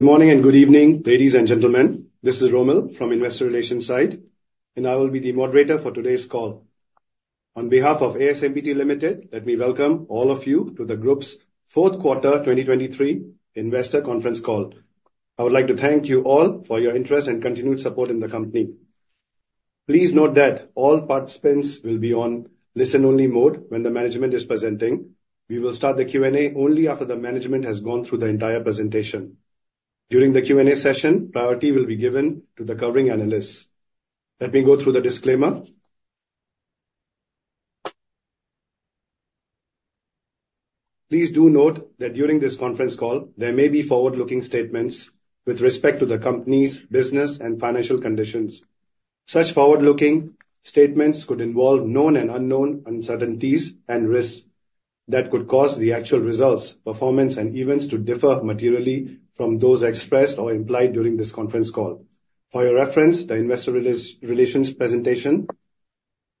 Good morning and good evening, ladies and gentlemen. This is Rommel from Investor Relations side, and I will be the moderator for today's call. On behalf of ASMPT Limited, let me welcome all of you to the group's 4th Quarter 2023 Investor Conference call. I would like to thank you all for your interest and continued support in the company. Please note that all participants will be on listen-only mode when the management is presenting. We will start the Q&A only after the management has gone through the entire presentation. During the Q&A session, priority will be given to the covering analysts. Let me go through the disclaimer. Please do note that during this conference call, there may be forward-looking statements with respect to the company's business and financial conditions. Such forward-looking statements could involve known and unknown uncertainties and risks that could cause the actual results, performance, and events to differ materially from those expressed or implied during this conference call. For your reference, the Investor Relations presentation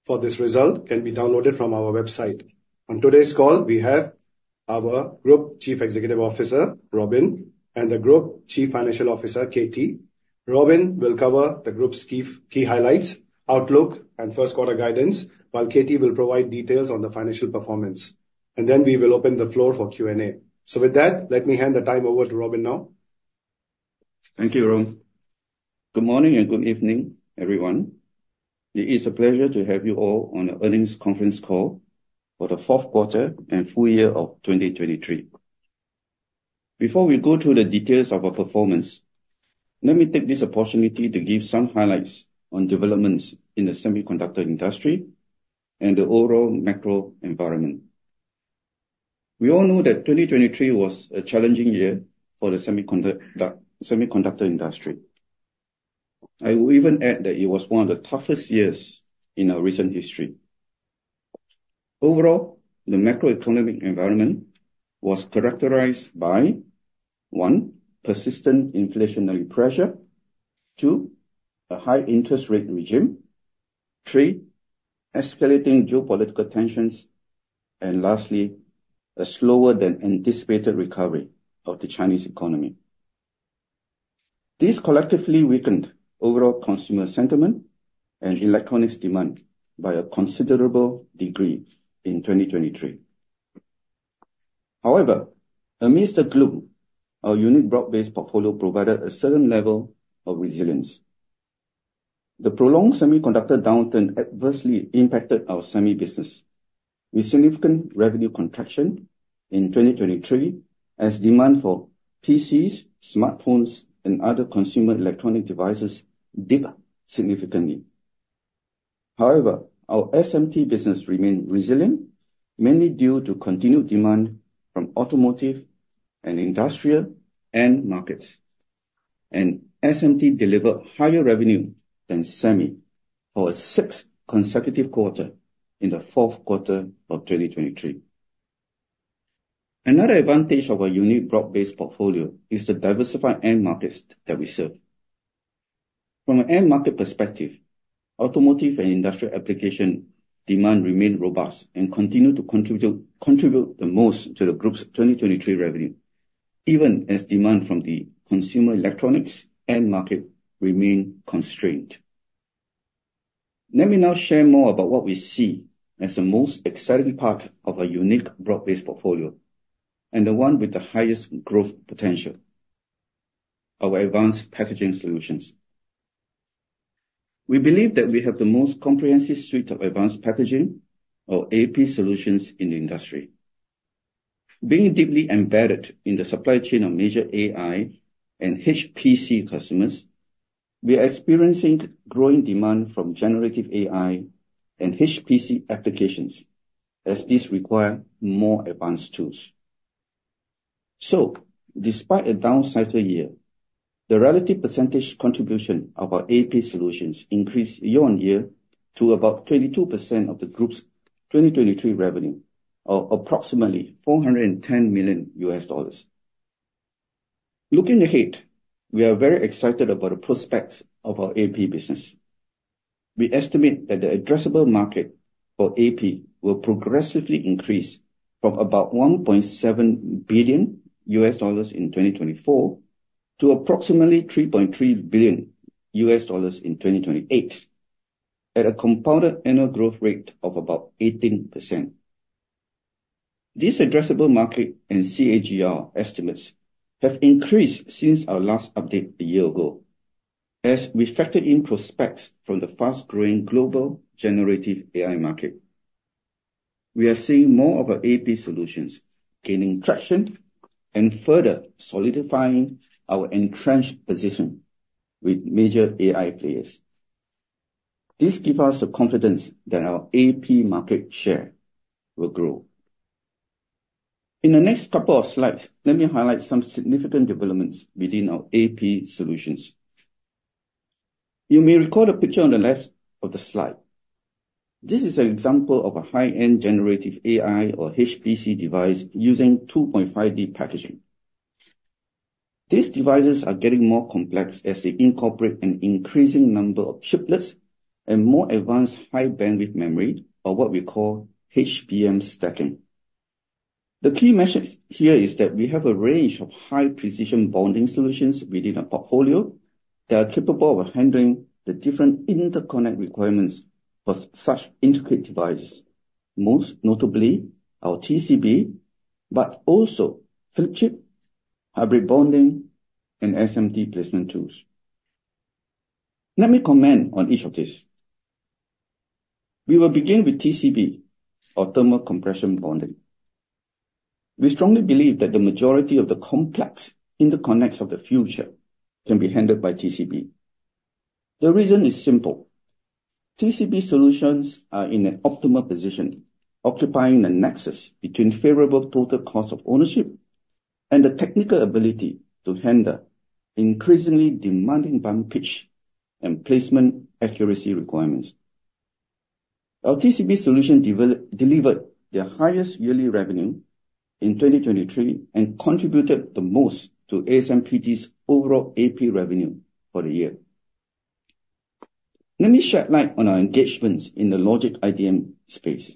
for this result can be downloaded from our website. On today's call, we have our Group Chief Executive Officer, Robin, and the Group Chief Financial Officer, Katie. Robin will cover the group's key highlights, outlook, and first-quarter guidance, while Katie will provide details on the financial performance. And then we will open the floor for Q&A. So with that, let me hand the time over to Robin now. Thank you, Rom. Good morning and good evening, everyone. It is a pleasure to have you all on the earnings conference call for the 4th Quarter and full year of 2023. Before we go to the details of our performance, let me take this opportunity to give some highlights on developments in the semiconductor industry and the overall macro environment. We all know that 2023 was a challenging year for the semiconductor industry. I will even add that it was one of the toughest years in our recent history. Overall, the macroeconomic environment was characterized by, one, persistent inflationary pressure, two, a high-interest rate regime, three, escalating geopolitical tensions, and lastly, a slower-than-anticipated recovery of the Chinese economy. These collectively weakened overall consumer sentiment and electronics demand by a considerable degree in 2023. However, amidst the gloom, our unique broad-based portfolio provided a certain level of resilience. The prolonged semiconductor downturn adversely impacted our semi-business, with significant revenue contraction in 2023 as demand for PCs, smartphones, and other consumer electronic devices dipped significantly. However, our SMT business remained resilient, mainly due to continued demand from automotive and industrial end markets, and SMT delivered higher revenue than semi for a sixth consecutive quarter in the 4th Quarter of 2023. Another advantage of our unique broad-based portfolio is the diversified end markets that we serve. From an end market perspective, automotive and industrial application demand remained robust and continued to contribute the most to the group's 2023 revenue, even as demand from the consumer electronics end market remained constrained. Let me now share more about what we see as the most exciting part of our unique broad-based portfolio and the one with the highest growth potential: our Advanced Packaging solutions. We believe that we have the most comprehensive suite of advanced packaging, or AP, solutions in the industry. Being deeply embedded in the supply chain of major AI and HPC customers, we are experiencing growing demand from generative AI and HPC applications as these require more advanced tools. So despite a downside year, the relative percentage contribution of our AP solutions increased year-on-year to about 22% of the group's 2023 revenue, or approximately $410 million. Looking ahead, we are very excited about the prospects of our AP business. We estimate that the addressable market for AP will progressively increase from about $1.7 billion in 2024 to approximately $3.3 billion in 2028, at a compound annual growth rate of about 18%. These addressable market and CAGR estimates have increased since our last update a year ago, as we factored in prospects from the fast-growing global generative AI market. We are seeing more of our AP solutions gaining traction and further solidifying our entrenched position with major AI players. This gives us the confidence that our AP market share will grow. In the next couple of slides, let me highlight some significant developments within our AP solutions. You may recall the picture on the left of the slide. This is an example of a high-end generative AI, or HPC, device using 2.5D packaging. These devices are getting more complex as they incorporate an increasing number of chiplets and more advanced high-bandwidth memory, or what we call HBM stacking. The key measure here is that we have a range of high-precision bonding solutions within our portfolio that are capable of handling the different interconnect requirements for such intricate devices, most notably our TCB, but also flip chip, hybrid bonding, and SMT placement tools. Let me comment on each of these. We will begin with TCB, or thermo-compression bonding. We strongly believe that the majority of the complex interconnects of the future can be handled by TCB. The reason is simple. TCB solutions are in an optimal position, occupying the nexus between favorable total cost of ownership and the technical ability to handle increasingly demanding bond pitch and placement accuracy requirements. Our TCB solution delivered the highest yearly revenue in 2023 and contributed the most to ASMPT's overall AP revenue for the year. Let me shed light on our engagements in the logic IDM space.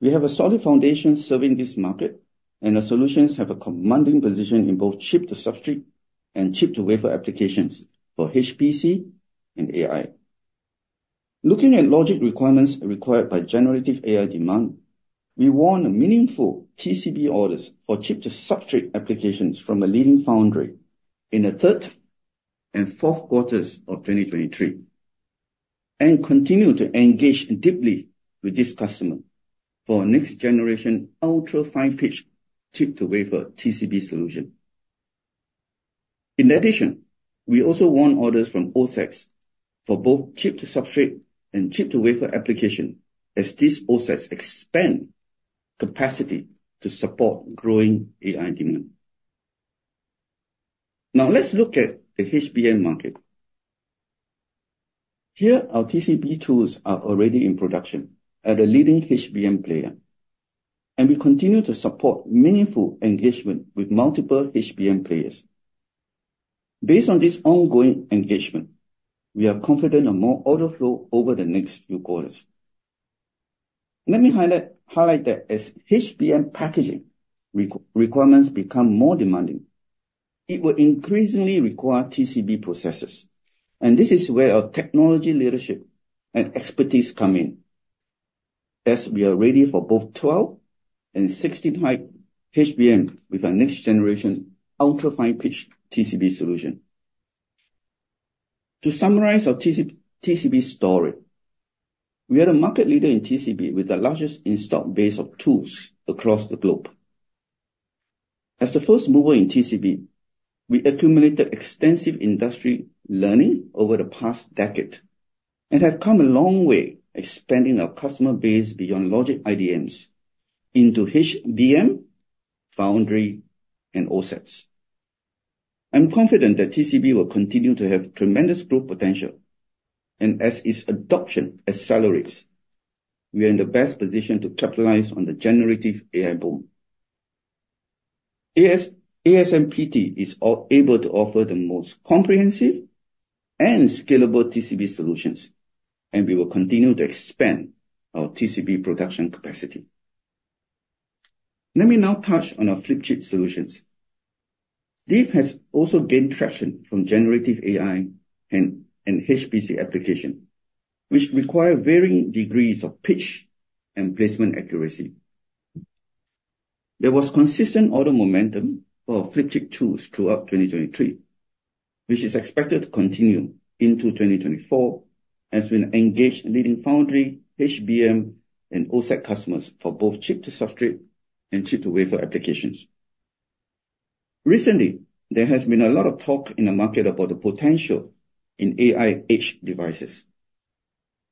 We have a solid foundation serving this market, and our solutions have a commanding position in both chip-to-substrate and chip-to-wafer applications for HPC and AI. Looking at logic requirements required by generative AI demand, we want meaningful TCB orders for chip-to-substrate applications from a leading foundry in the 3rd and 4th quarters of 2023, and continue to engage deeply with this customer for our next-generation ultra-fine-pitched chip-to-wafer TCB solution. In addition, we also want orders from OSAT for both chip-to-substrate and chip-to-wafer applications, as these OSAT expand capacity to support growing AI demand. Now let's look at the HBM market. Here, our TCB tools are already in production at a leading HBM player, and we continue to support meaningful engagement with multiple HBM players. Based on this ongoing engagement, we are confident in more order flow over the next few quarters. Let me highlight that as HBM packaging requirements become more demanding, it will increasingly require TCB processors, and this is where our technology leadership and expertise come in, as we are ready for both 12 and 16-high HBM with our next-generation ultra-fine-pitched TCB solution. To summarize our TCB story, we are the market leader in TCB with the largest installed base of tools across the globe. As the first mover in TCB, we accumulated extensive industry learning over the past decade and have come a long way expanding our customer base beyond logic IDMs into HBM, foundry, and OSAT. I'm confident that TCB will continue to have tremendous growth potential, and as its adoption accelerates, we are in the best position to capitalize on the generative AI boom. ASMPT is able to offer the most comprehensive and scalable TCB solutions, and we will continue to expand our TCB production capacity. Let me now touch on our flip chip solutions. This has also gained traction from generative AI and HPC applications, which require varying degrees of pitch and placement accuracy. There was consistent order momentum for flip chip tools throughout 2023, which is expected to continue into 2024 as we engage leading foundry, HBM, and OSAT customers for both chip-to-substrate and chip-to-wafer applications. Recently, there has been a lot of talk in the market about the potential in AI edged devices.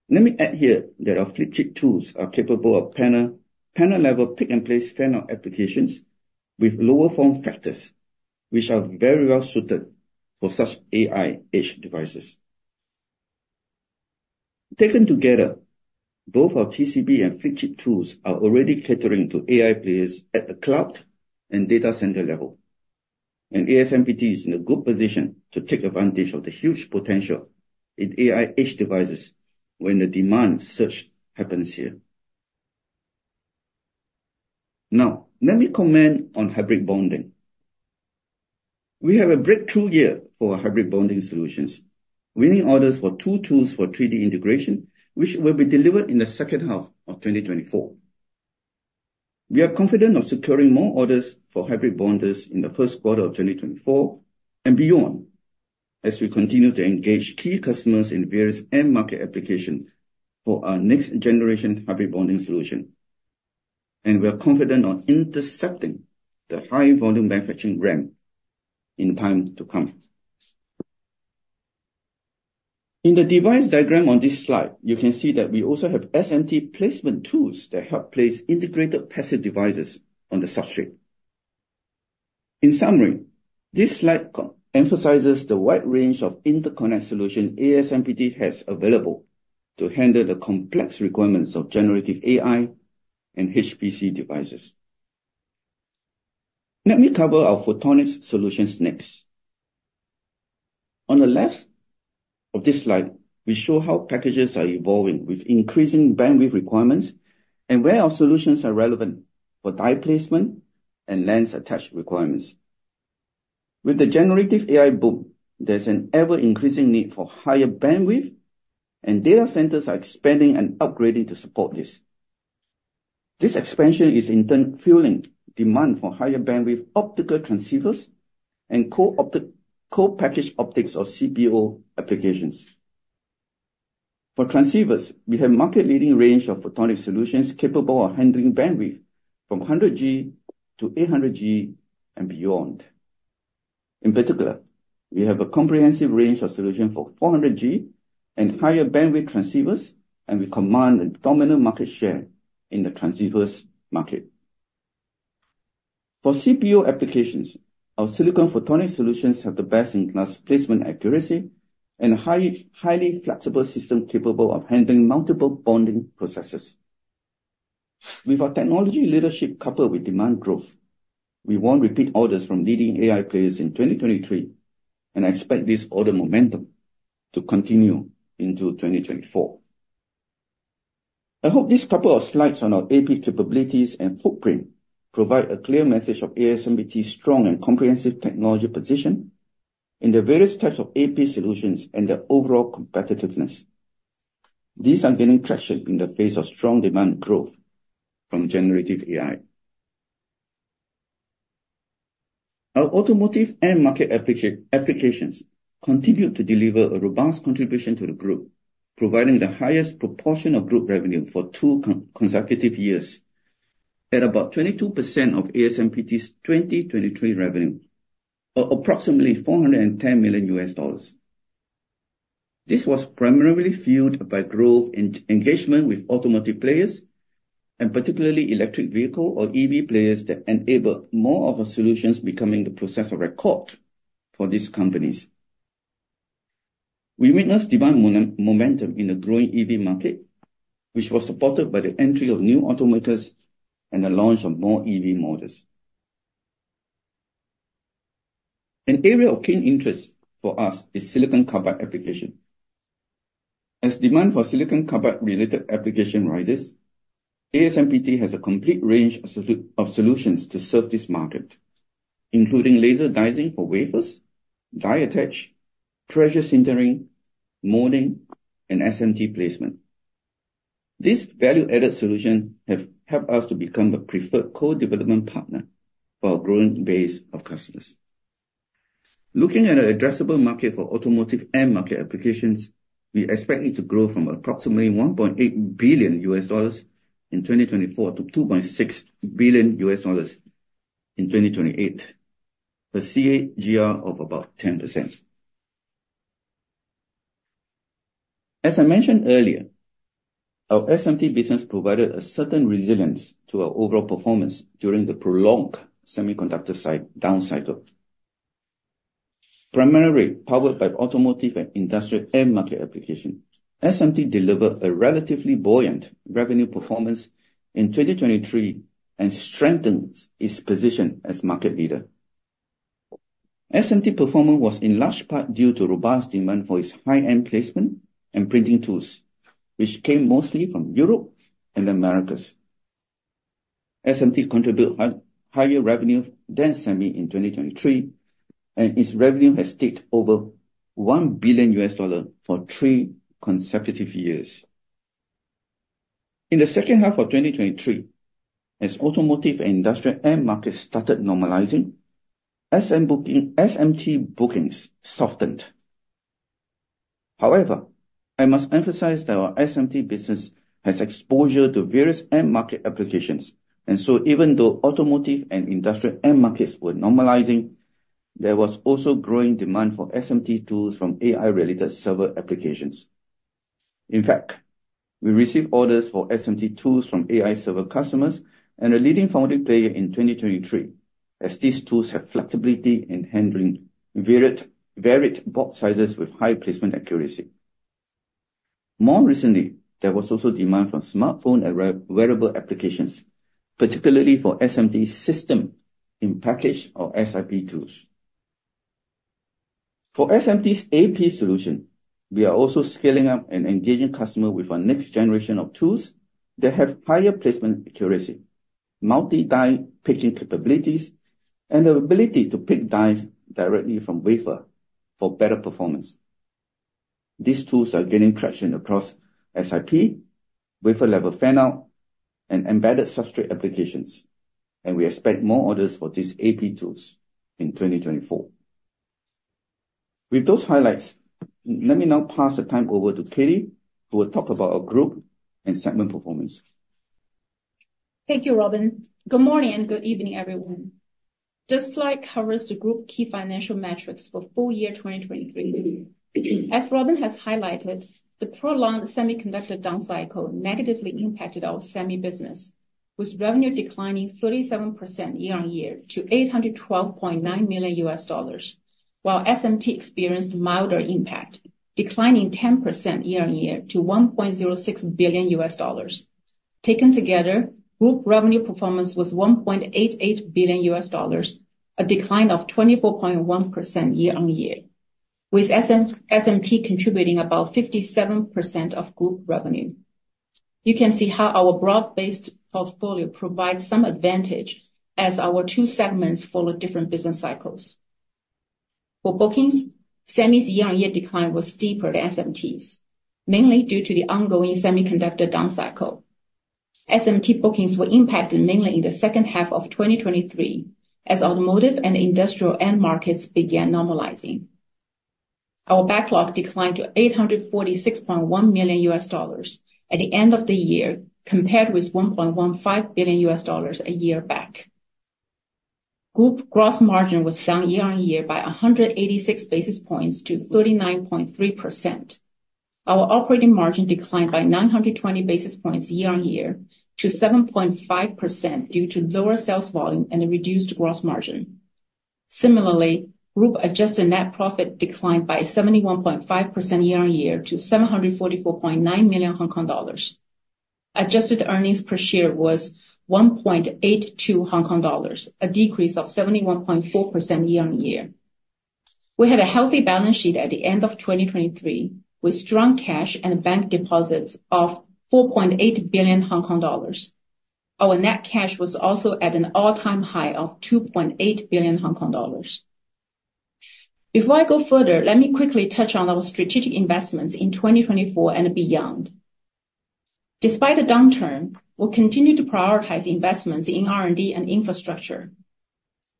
Let me add here that our flip chip tools are capable of panel-level pick-and-place fan-out applications with lower form factors, which are very well suited for such AI edged devices. Taken together, both our TCB and flip chip tools are already catering to AI players at the cloud and data center level, and ASMPT is in a good position to take advantage of the huge potential in AI edged devices when the demand surge happens here. Now let me comment on hybrid bonding. We have a breakthrough year for our hybrid bonding solutions, winning orders for two tools for 3D integration, which will be delivered in the second half of 2024. We are confident in securing more orders for Hybrid Bonders in the first quarter of 2024 and beyond as we continue to engage key customers in various end market applications for our next-generation hybrid bonding solution, and we are confident in intercepting the high-volume manufacturing ramp in time to come. In the device diagram on this slide, you can see that we also have SMT placement tools that help place integrated passive devices on the substrate. In summary, this slide emphasizes the wide range of interconnect solutions ASMPT has available to handle the complex requirements of generative AI and HPC devices. Let me cover our photonics solutions next. On the left of this slide, we show how packages are evolving with increasing bandwidth requirements and where our solutions are relevant for die placement and lens attach requirements. With the generative AI boom, there's an ever-increasing need for higher bandwidth, and data centers are expanding and upgrading to support this. This expansion is in turn fueling demand for higher bandwidth optical transceivers and Co-Package Optics, or CPO, applications. For transceivers, we have a market-leading range of photonics solutions capable of handling bandwidth from 100G-800G and beyond. In particular, we have a comprehensive range of solutions for 400G and higher bandwidth transceivers, and we command a dominant market share in the transceivers market. For CPO applications, our silicon photonics solutions have the best-in-class placement accuracy and a highly flexible system capable of handling multiple bonding processes. With our technology leadership coupled with demand growth, we want repeat orders from leading AI players in 2023 and expect this order momentum to continue into 2024. I hope this couple of slides on our AP capabilities and footprint provide a clear message of ASMPT's strong and comprehensive technology position in the various types of AP solutions and their overall competitiveness. These are gaining traction in the face of strong demand growth from generative AI. Our automotive end market applications continue to deliver a robust contribution to the group, providing the highest proportion of group revenue for two consecutive years, at about 22% of ASMPT's 2023 revenue, or approximately $410 million. This was primarily fueled by growth and engagement with automotive players, and particularly electric vehicle, or EV, players that enabled more of our solutions becoming the process of record for these companies. We witnessed demand momentum in the growing EV market, which was supported by the entry of new automakers and the launch of more EV models. An area of keen interest for us is silicon carbide application. As demand for silicon carbide-related applications rises, ASMPT has a complete range of solutions to serve this market, including laser dicing for wafers, die attach, pressure sintering, molding, and SMT placement. These value-added solutions have helped us to become a preferred co-development partner for our growing base of customers. Looking at an addressable market for automotive end market applications, we expect it to grow from approximately $1.8 billion in 2024 to $2.6 billion in 2028, a CAGR of about 10%. As I mentioned earlier, our SMT business provided a certain resilience to our overall performance during the prolonged semiconductor down cycle, primarily powered by automotive and industrial end market applications. SMT delivered a relatively buoyant revenue performance in 2023 and strengthened its position as market leader. SMT performance was in large part due to robust demand for its high-end placement and printing tools, which came mostly from Europe and the Americas. SMT contributed higher revenue than semi in 2023, and its revenue has stayed over $1 billion for three consecutive years. In the second half of 2023, as automotive and industrial end markets started normalizing, SMT bookings softened. However, I must emphasize that our SMT business has exposure to various end market applications, and so even though automotive and industrial end markets were normalizing, there was also growing demand for SMT tools from AI-related server applications. In fact, we received orders for SMT tools from AI server customers and a leading foundry player in 2023, as these tools have flexibility in handling varied box sizes with high placement accuracy. More recently, there was also demand for smartphone and wearable applications, particularly for SMT system in package, or SiP tools. For SMT's AP solution, we are also scaling up and engaging customers with our next generation of tools that have higher placement accuracy, multi-die pitching capabilities, and the ability to pick dies directly from wafer for better performance. These tools are gaining traction across SiP, wafer-level fan-out, and embedded substrate applications, and we expect more orders for these AP tools in 2024. With those highlights, let me now pass the time over to Katie, who will talk about our group and segment performance. Thank you, Robin. Good morning and good evening, everyone. This slide covers the group key financial metrics for full year 2023. As Robin has highlighted, the prolonged semiconductor down cycle negatively impacted our semi business, with revenue declining 37% year-over-year to $812.9 million, while SMT experienced milder impact, declining 10% year-over-year to $1.06 billion. Taken together, group revenue performance was $1.88 billion, a decline of 24.1% year-over-year, with SMT contributing about 57% of group revenue. You can see how our broad-based portfolio provides some advantage as our two segments follow different business cycles. For bookings, semi's year-on-year decline was steeper than SMT's, mainly due to the ongoing semiconductor down cycle. SMT bookings were impacted mainly in the second half of 2023 as automotive and industrial end markets began normalizing. Our backlog declined to $846.1 million at the end of the year compared with $1.15 billion a year back. Group gross margin was down year-on-year by 186 basis points to 39.3%. Our operating margin declined by 920 basis points year-on-year to 7.5% due to lower sales volume and a reduced gross margin. Similarly, group adjusted net profit declined by 71.5% year-on-year to 744.9 million Hong Kong dollars. Adjusted earnings per share was 1.82 Hong Kong dollars, a decrease of 71.4% year-on-year. We had a healthy balance sheet at the end of 2023 with strong cash and bank deposits of 4.8 billion Hong Kong dollars. Our net cash was also at an all-time high of 2.8 billion Hong Kong dollars. Before I go further, let me quickly touch on our strategic investments in 2024 and beyond. Despite the downturn, we'll continue to prioritize investments in R&D and infrastructure.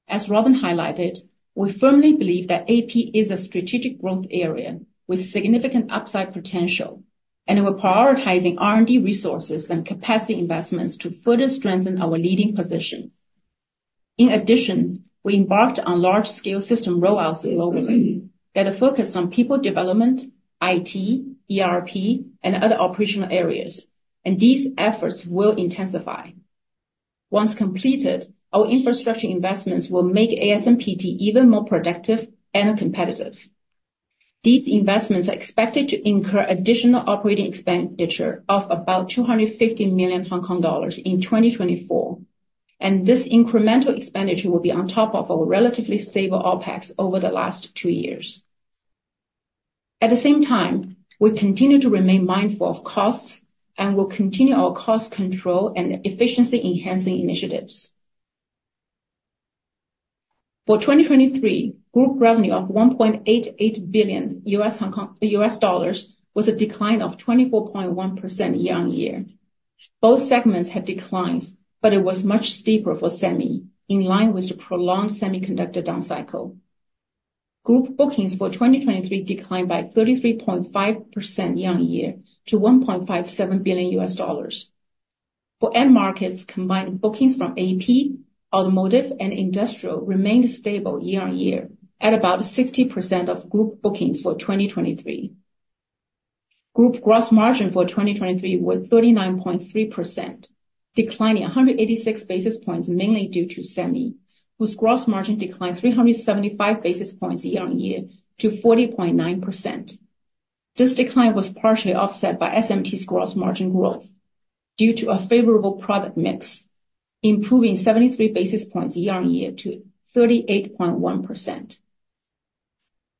As Robin highlighted, we firmly believe that AP is a strategic growth area with significant upside potential, and we're prioritizing R&D resources and capacity investments to further strengthen our leading position. In addition, we embarked on large-scale system rollouts globally that are focused on people development, IT, ERP, and other operational areas, and these efforts will intensify. Once completed, our infrastructure investments will make ASMPT even more productive and competitive. These investments are expected to incur additional operating expenditure of about 250 million Hong Kong dollars in 2024, and this incremental expenditure will be on top of our relatively stable OPEX over the last two years. At the same time, we continue to remain mindful of costs and will continue our cost control and efficiency-enhancing initiatives. For 2023, group revenue of 1.88 billion was a decline of 24.1% year-on-year. Both segments had declines, but it was much steeper for semi, in line with the prolonged semiconductor down cycle. Group bookings for 2023 declined by 33.5% year-on-year to HKD 1.57 billion. For end markets, combined bookings from AP, automotive, and industrial remained stable year-on-year, at about 60% of group bookings for 2023. Group gross margin for 2023 was 39.3%, declining 186 basis points mainly due to semi, whose gross margin declined 375 basis points year-on-year to 40.9%. This decline was partially offset by SMT's gross margin growth due to a favorable product mix, improving 73 basis points year-on-year to 38.1%.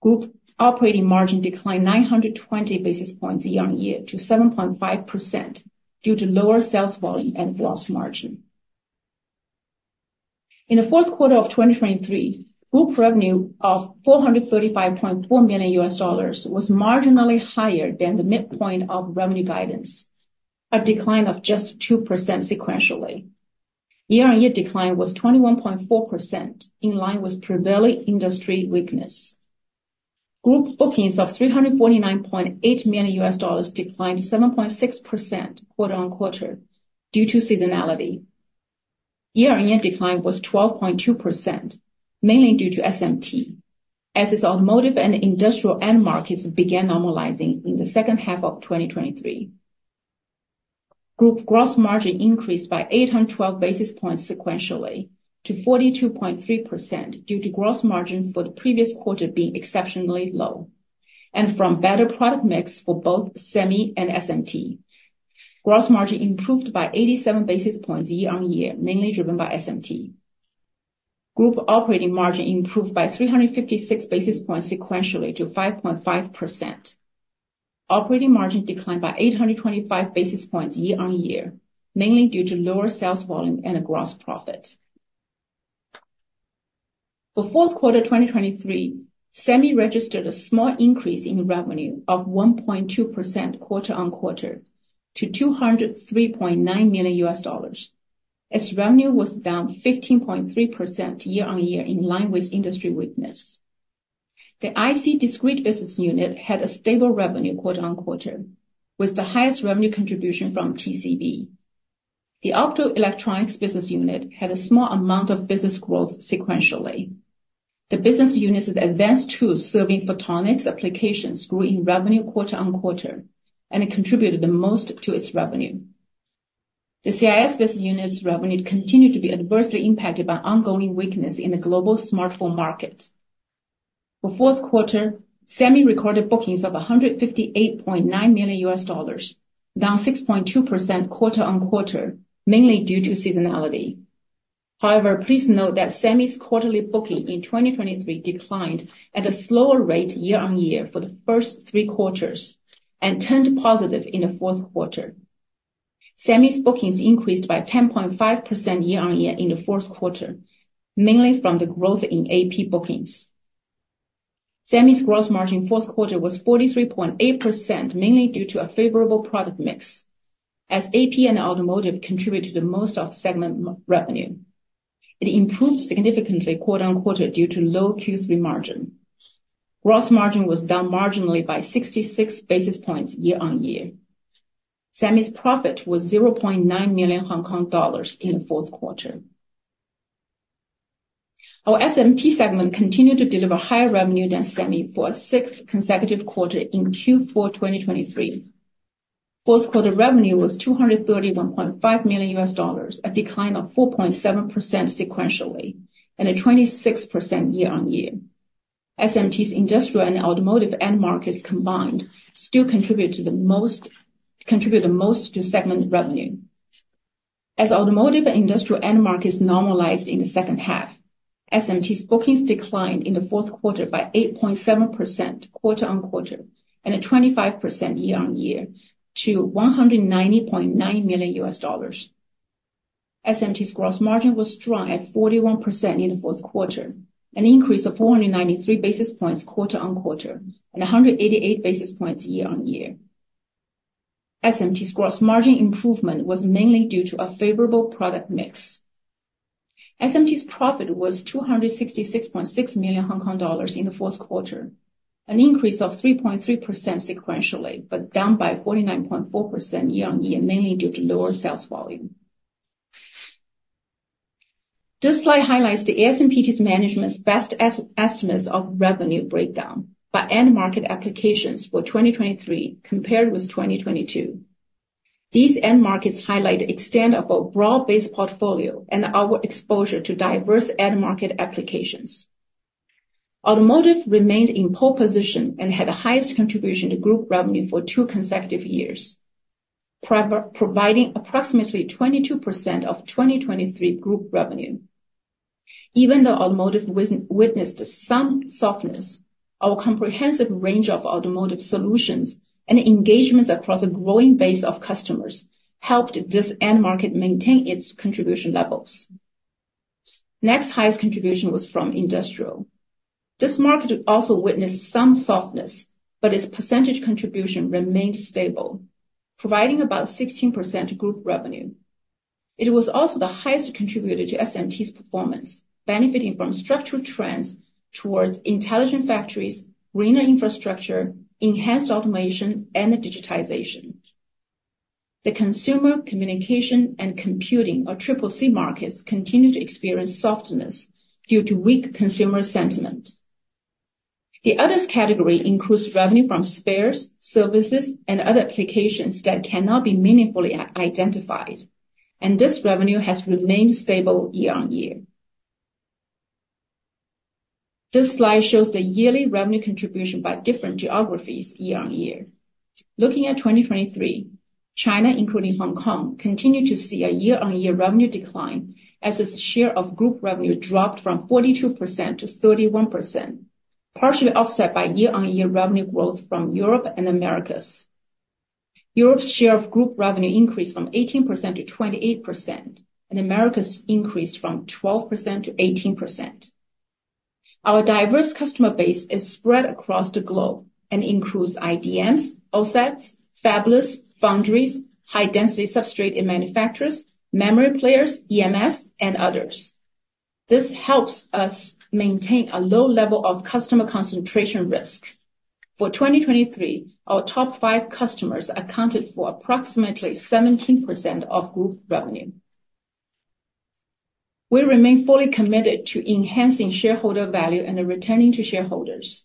Group operating margin declined 920 basis points year-on-year to 7.5% due to lower sales volume and gross margin. In the fourth quarter of 2023, group revenue of HKD 435.4 million was marginally higher than the midpoint of revenue guidance, a decline of just 2% sequentially. Year-on-year decline was 21.4%, in line with prevailing industry weakness. Group bookings of HKD 349.8 million declined 7.6% quarter-on-quarter due to seasonality. Year-on-year decline was 12.2%, mainly due to SMT, as its automotive and industrial end markets began normalizing in the second half of 2023. Group gross margin increased by 812 basis points sequentially to 42.3% due to gross margin for the previous quarter being exceptionally low, and from better product mix for both semi and SMT. Gross margin improved by 87 basis points year-on-year, mainly driven by SMT. Group operating margin improved by 356 basis points sequentially to 5.5%. Operating margin declined by 825 basis points year-on-year, mainly due to lower sales volume and a gross profit. For fourth quarter 2023, semi registered a small increase in revenue of 1.2% quarter-on-quarter to HKD 203.9 million, as revenue was down 15.3% year-on-year in line with industry weakness. The IC discrete business unit had a stable revenue quarter-on-quarter, with the highest revenue contribution from TCB. The optoelectronics business unit had a small amount of business growth sequentially. The business unit's advanced tools serving photonics applications grew in revenue quarter-on-quarter and contributed the most to its revenue. The CIS business unit's revenue continued to be adversely impacted by ongoing weakness in the global smartphone market. For fourth quarter, Semi recorded bookings of HKD 158.9 million, down 6.2% quarter-on-quarter, mainly due to seasonality. However, please note that Semi's quarterly booking in 2023 declined at a slower rate year-on-year for the first three quarters and turned positive in the fourth quarter. Semi's bookings increased by 10.5% year-on-year in the fourth quarter, mainly from the growth in AP bookings. Semi's gross margin fourth quarter was 43.8%, mainly due to a favorable product mix, as AP and automotive contributed the most of segment revenue. It improved significantly quarter-on-quarter due to low third quarter margin. Gross margin was down marginally by 66 basis points year-on-year. Semi's profit was 0.9 million Hong Kong dollars in the fourth quarter. Our SMT segment continued to deliver higher revenue than Semi for a sixth consecutive quarter in fourth quarter 2023. Fourth quarter revenue was HKD 231.5 million, a decline of 4.7% sequentially and a 26% year-on-year. SMT's industrial and automotive end markets combined still contribute the most to segment revenue. As automotive and industrial end markets normalized in the second half, SMT's bookings declined in the fourth quarter by 8.7% quarter-on-quarter and a 25% year-on-year to HKD 190.9 million. SMT's gross margin was strong at 41% in the fourth quarter, an increase of 493 basis points quarter-on-quarter and 188 basis points year-on-year. SMT's gross margin improvement was mainly due to a favorable product mix. SMT's profit was 266.6 million Hong Kong dollars in the fourth quarter, an increase of 3.3% sequentially but down by 49.4% year-on-year, mainly due to lower sales volume. This slide highlights the ASMPT's management's best estimates of revenue breakdown by end market applications for 2023 compared with 2022. These end markets highlight the extent of our broad-based portfolio and our exposure to diverse end market applications. Automotive remained in pole position and had the highest contribution to group revenue for two consecutive years, providing approximately 22% of 2023 group revenue. Even though automotive witnessed some softness, our comprehensive range of automotive solutions and engagements across a growing base of customers helped this end market maintain its contribution levels. Next, highest contribution was from industrial. This market also witnessed some softness, but its percentage contribution remained stable, providing about 16% group revenue. It was also the highest contributor to SMT's performance, benefiting from structural trends towards intelligent factories, greener infrastructure, enhanced automation, and digitization. The consumer, communication, and computing, or CCC markets continue to experience softness due to weak consumer sentiment. The others' category includes revenue from spares, services, and other applications that cannot be meaningfully identified, and this revenue has remained stable year-on-year. This slide shows the yearly revenue contribution by different geographies year-on-year. Looking at 2023, China, including Hong Kong, continued to see a year-on-year revenue decline as its share of group revenue dropped from 42% to 31%, partially offset by year-on-year revenue growth from Europe and Americas. Europe's share of group revenue increased from 18% to 28%, and America's increased from 12% to 18%. Our diverse customer base is spread across the globe and includes IDMs, OSATs, fabless, foundries, high-density substrate manufacturers, memory players, EMS, and others. This helps us maintain a low level of customer concentration risk. For 2023, our top five customers accounted for approximately 17% of group revenue. We remain fully committed to enhancing shareholder value and returning to shareholders.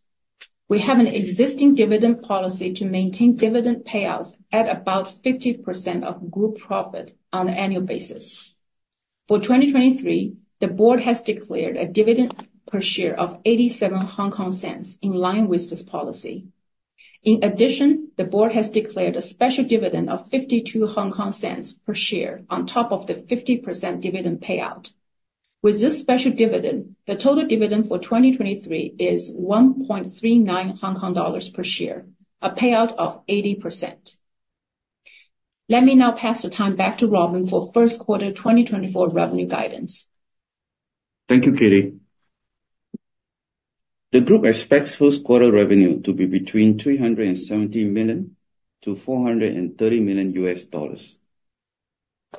We have an existing dividend policy to maintain dividend payouts at about 50% of group profit on an annual basis. For 2023, the board has declared a dividend per share of 87 HKD, in line with this policy. In addition, the board has declared a special dividend of 52 HKD per share on top of the 50% dividend payout. With this special dividend, the total dividend for 2023 is 1.39 Hong Kong dollars per share, a payout of 80%. Let me now pass the time back to Robin for first quarter 2024 revenue guidance. Thank you, Katie. The group expects first quarter revenue to be between 370 to 430 million.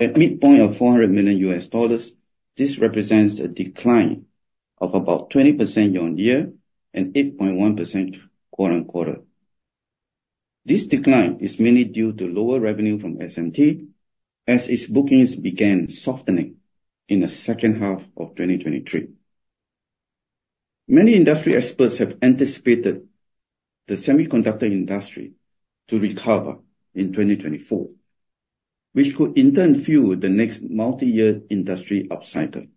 At midpoint of HKD 400 million, this represents a decline of about 20% year-on-year and 8.1% quarter-on-quarter. This decline is mainly due to lower revenue from SMT, as its bookings began softening in the second half of 2023. Many industry experts have anticipated the semiconductor industry to recover in 2024, which could in turn fuel the next multi-year industry upcycle,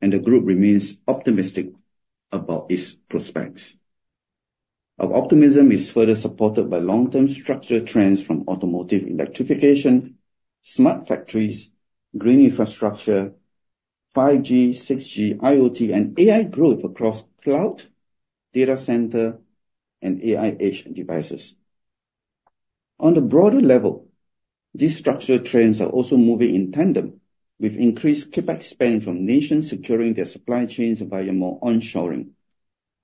and the group remains optimistic about its prospects. Our optimism is further supported by long-term structural trends from automotive electrification, smart factories, green infrastructure, 5G, 6G, IoT, and AI growth across cloud, data center, and AI edge devices. On a broader level, these structural trends are also moving in tandem with increased CapEx spend from nations securing their supply chains via more onshoring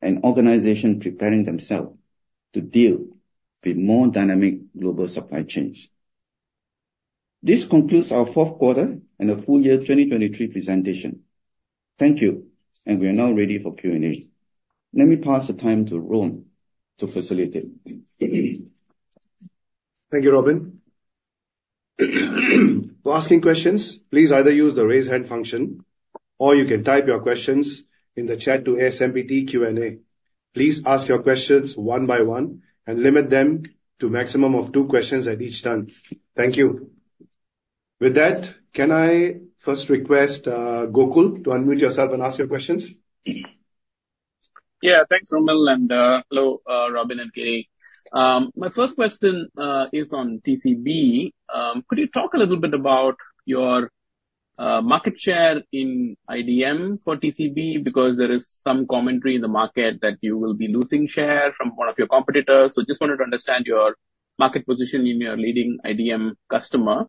and organizations preparing themselves to deal with more dynamic global supply chains. This concludes our fourth quarter and the full year 2023 presentation. Thank you, and we are now ready for Q&A. Let me pass the time to Rom to facilitate. Thank you, Robin. For asking questions, please either use the raise hand function or you can type your questions in the chat to ASMPT Q&A. Please ask your questions one by one and limit them to a maximum of two questions at each time. Thank you. With that, can I first request Gokul to unmute yourself and ask your questions? Yeah, thanks, Romel. And hello, Robin and Katie. My first question is on TCB. Could you talk a little bit about your market share in IDM for TCB? Because there is some commentary in the market that you will be losing share from one of your competitors, so I just wanted to understand your market position in your leading IDM customer.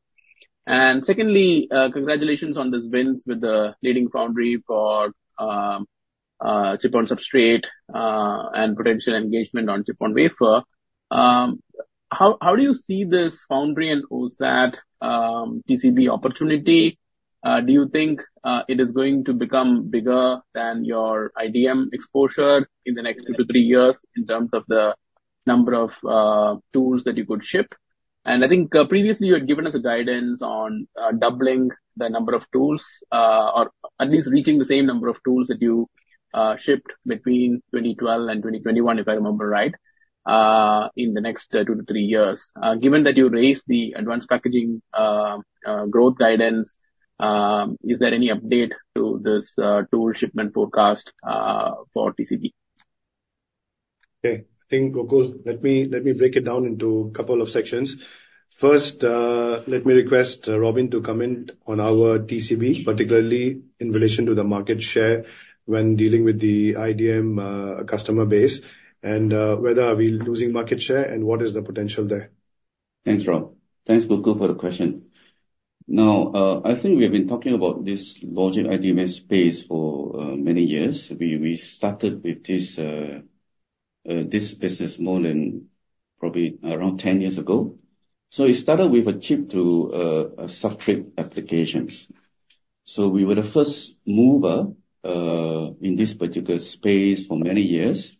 And secondly, congratulations on these wins with the leading foundry for Chip-on-Substrate and potential engagement on Chip-on-Wafer. How do you see this foundry and OSAT TCB opportunity? Do you think it is going to become bigger than your IDM exposure in the next two to three years in terms of the number of tools that you could ship? I think previously you had given us guidance on doubling the number of tools, or at least reaching the same number of tools that you shipped between 2012 and 2021, if I remember right, in the next two to three years. Given that you raised the advanced packaging growth guidance, is there any update to this tool shipment forecast for TCB? Okay. I think, Gokul, let me break it down into a couple of sections. First, let me request Robin to comment on our TCB, particularly in relation to the market share when dealing with the IDM customer base, and whether we're losing market share and what is the potential there. Thanks, Rom. Thanks, Gokul, for the question. Now, I think we have been talking about this logic IDM space for many years. We started with this business more than probably around 10 years ago. So, it started with a Chip-to-Substrate applications. So, we were the first mover in this particular space for many years.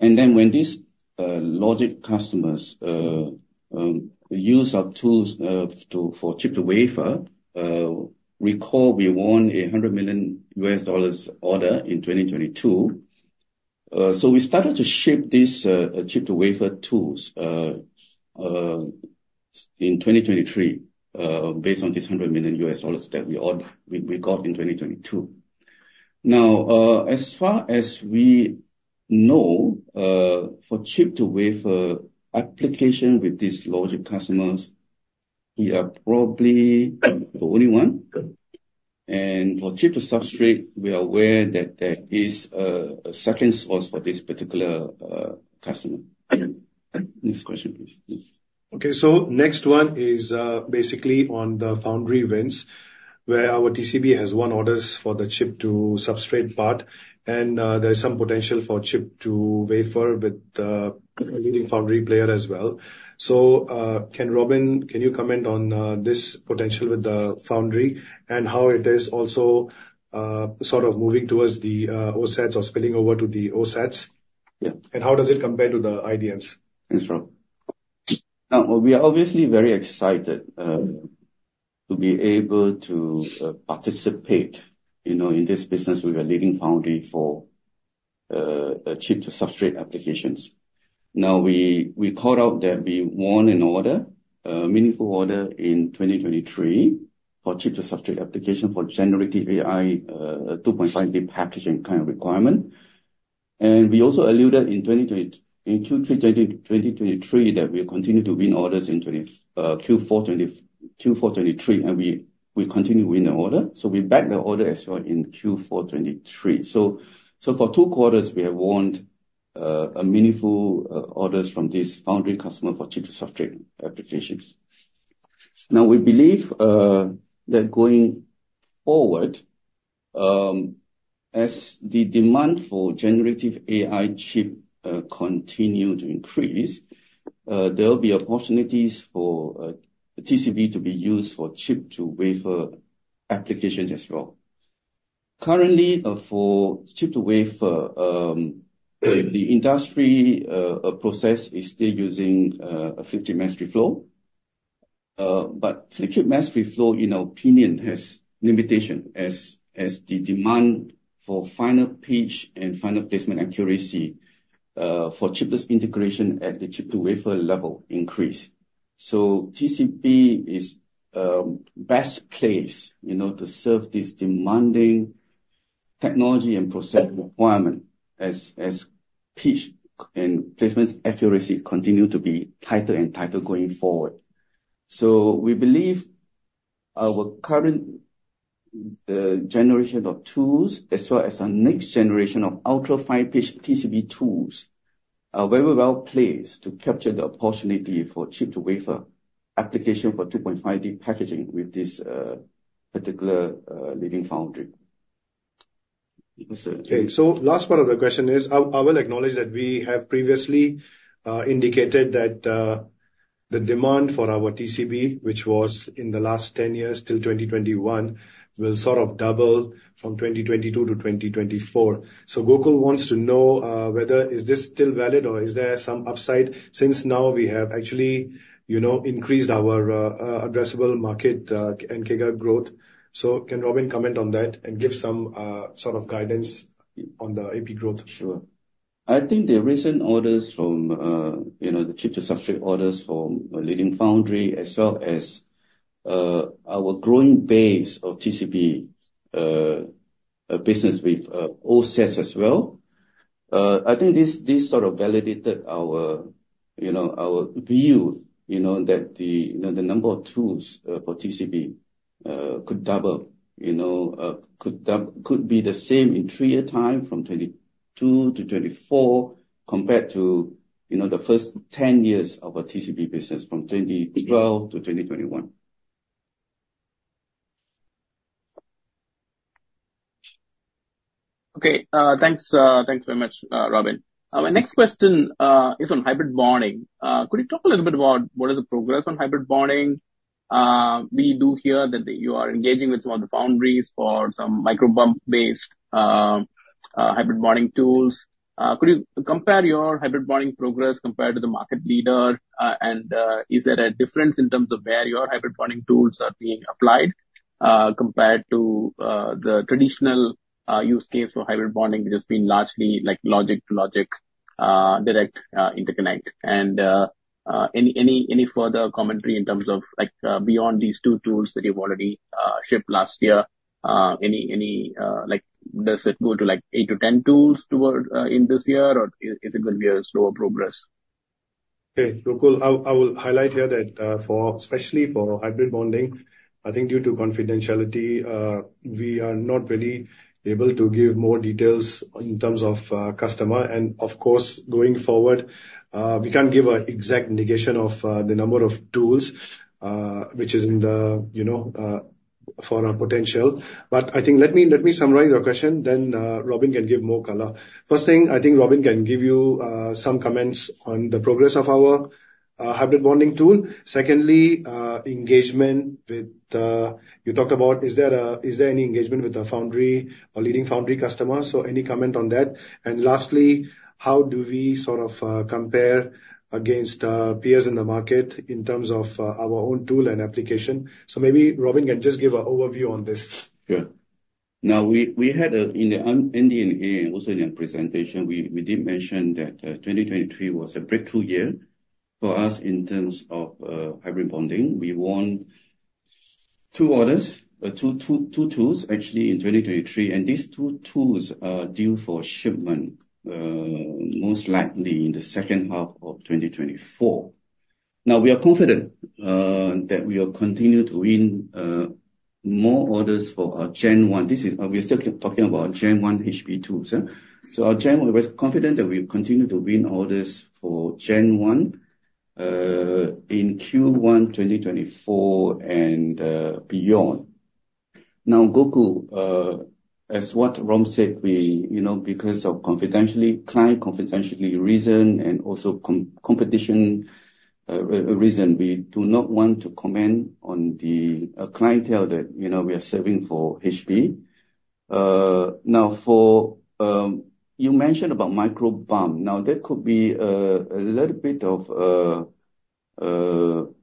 And then when these logic customers use our tools for Chip-to-Wafer, recall we won a $100 million order in 2022. So, we started to ship these chips to wafer tools in 2023 based on this $100 million that we got in 2022. Now, as far as we know, for Chip-to-Wafer application with these logic customers, we are probably the only one. And for Chip-to-Substrate, we are aware that there is a second source for this particular customer. Next question, please. Okay. So next one is basically on the foundry wins, where our TCB has won orders for the Chip-to-Substrate part, and there is some potential for Chip-to-Wafer with a leading foundry player as well. So, can you comment on this potential with the foundry and how it is also sort of moving towards the OSATs or spilling over to the OSATs? And how does it compare to the IDMs? Thanks, Rom. Now, we are obviously very excited to be able to participate in this business with a leading foundry for Chip-to-Substrate applications. Now, we called out that we won an order, a meaningful order in 2023 for Chip-to-Substrate application for generative AI 2.5D packaging kind of requirement. We also alluded in third quarter 2023 that we will continue to win orders in fourth quarter 2023, and we continue to win the order. We booked the order as well in fourth quarter 2023. So, for two quarters, we have won meaningful orders from this foundry customer for Chip-to-Substrate applications. Now, we believe that going forward, as the demand for generative AI chip continues to increase, there will be opportunities for TCB to be used for Chip-to-Wafer applications as well. Currently, for Chip-to-Wafer, the industry flip chip mass reflow, in our opinion, has limitations as the demand for fine pitch and fine placement accuracy for chiplet integration at the Chip-to-Wafer level increases. So TCB is the best way to serve this demanding technology and process requirement as pitch and placement accuracy continues to be tighter and tighter going forward. So, we believe our current generation of tools, as well as our next generation of ultra-fine pitch TCB tools, are very well placed to capture the opportunity for Chip-to-Wafer application for 2.5D packaging with this particular leading foundry. Okay. So last part of the question is, I will acknowledge that we have previously indicated that the demand for our TCB, which was in the last 10 years till 2021, will sort of double from 2022 to 2024. So, Gokul wants to know whether is this still valid, or is there some upside since now we have actually increased our addressable market and CAGR growth? So, can Robin comment on that and give some sort of guidance on the AP growth? Sure. I think the recent orders from the Chip-to-Substrate orders from a leading foundry, as well as our growing base of TCB business with OSATs as well, I think this sort of validated our view that the number of tools for TCB could double, could be the same in three-year time from 2022 to 2024 compared to the first 10 years of our TCB business from 2012 to 2021. Okay. Thanks very much, Robin. My next question is on hybrid bonding. Could you talk a little bit about what is the progress on hybrid bonding? We do hear that you are engaging with some of the foundries for some micro bump-based hybrid bonding tools. Could you compare your hybrid bonding progress compared to the market leader? And is there a difference in terms of where your hybrid bonding tools are being applied compared to the traditional use case for hybrid bonding, which has been largely logic-to-logic direct interconnect? And any further commentary in terms of beyond these two tools that you've already shipped last year? Does it go to eight to 10 tools in this year, or is it going to be a slower progress? Okay. Gokul, I will highlight here that especially for hybrid bonding, I think due to confidentiality, we are not really able to give more details in terms of customer. And of course, going forward, we can't give an exact indication of the number of tools which is in the forecast for our potential. But I think let me summarize your question, then Robin can give more color. First thing, I think Robin can give you some comments on the progress of our hybrid bonding tool. Secondly, the engagement you talked about, is there any engagement with the foundry or leading foundry customer? So, any comment on that? And lastly, how do we sort of compare against peers in the market in terms of our own tool and application? So maybe Robin can just give an overview on this. Yeah. Now, we had in the ending also in our presentation, we did mention that 2023 was a breakthrough year for us in terms of hybrid bonding. We won two orders, two tools actually in 2023, and these two tools are due for shipment most likely in the second half of 2024. Now, we are confident that we will continue to win more orders for our Gen 1. We're still talking about Gen 1 HB tools. So our Gen 1, we're confident that we will continue to win orders for Gen 1 in first quarter 2024 and beyond. Now, Gokul, as what Rom said, because of client confidentiality reason and also competition reason, we do not want to comment on the clientele that we are serving for HB. Now, you mentioned about micro bump. Now, that could be a little bit of a view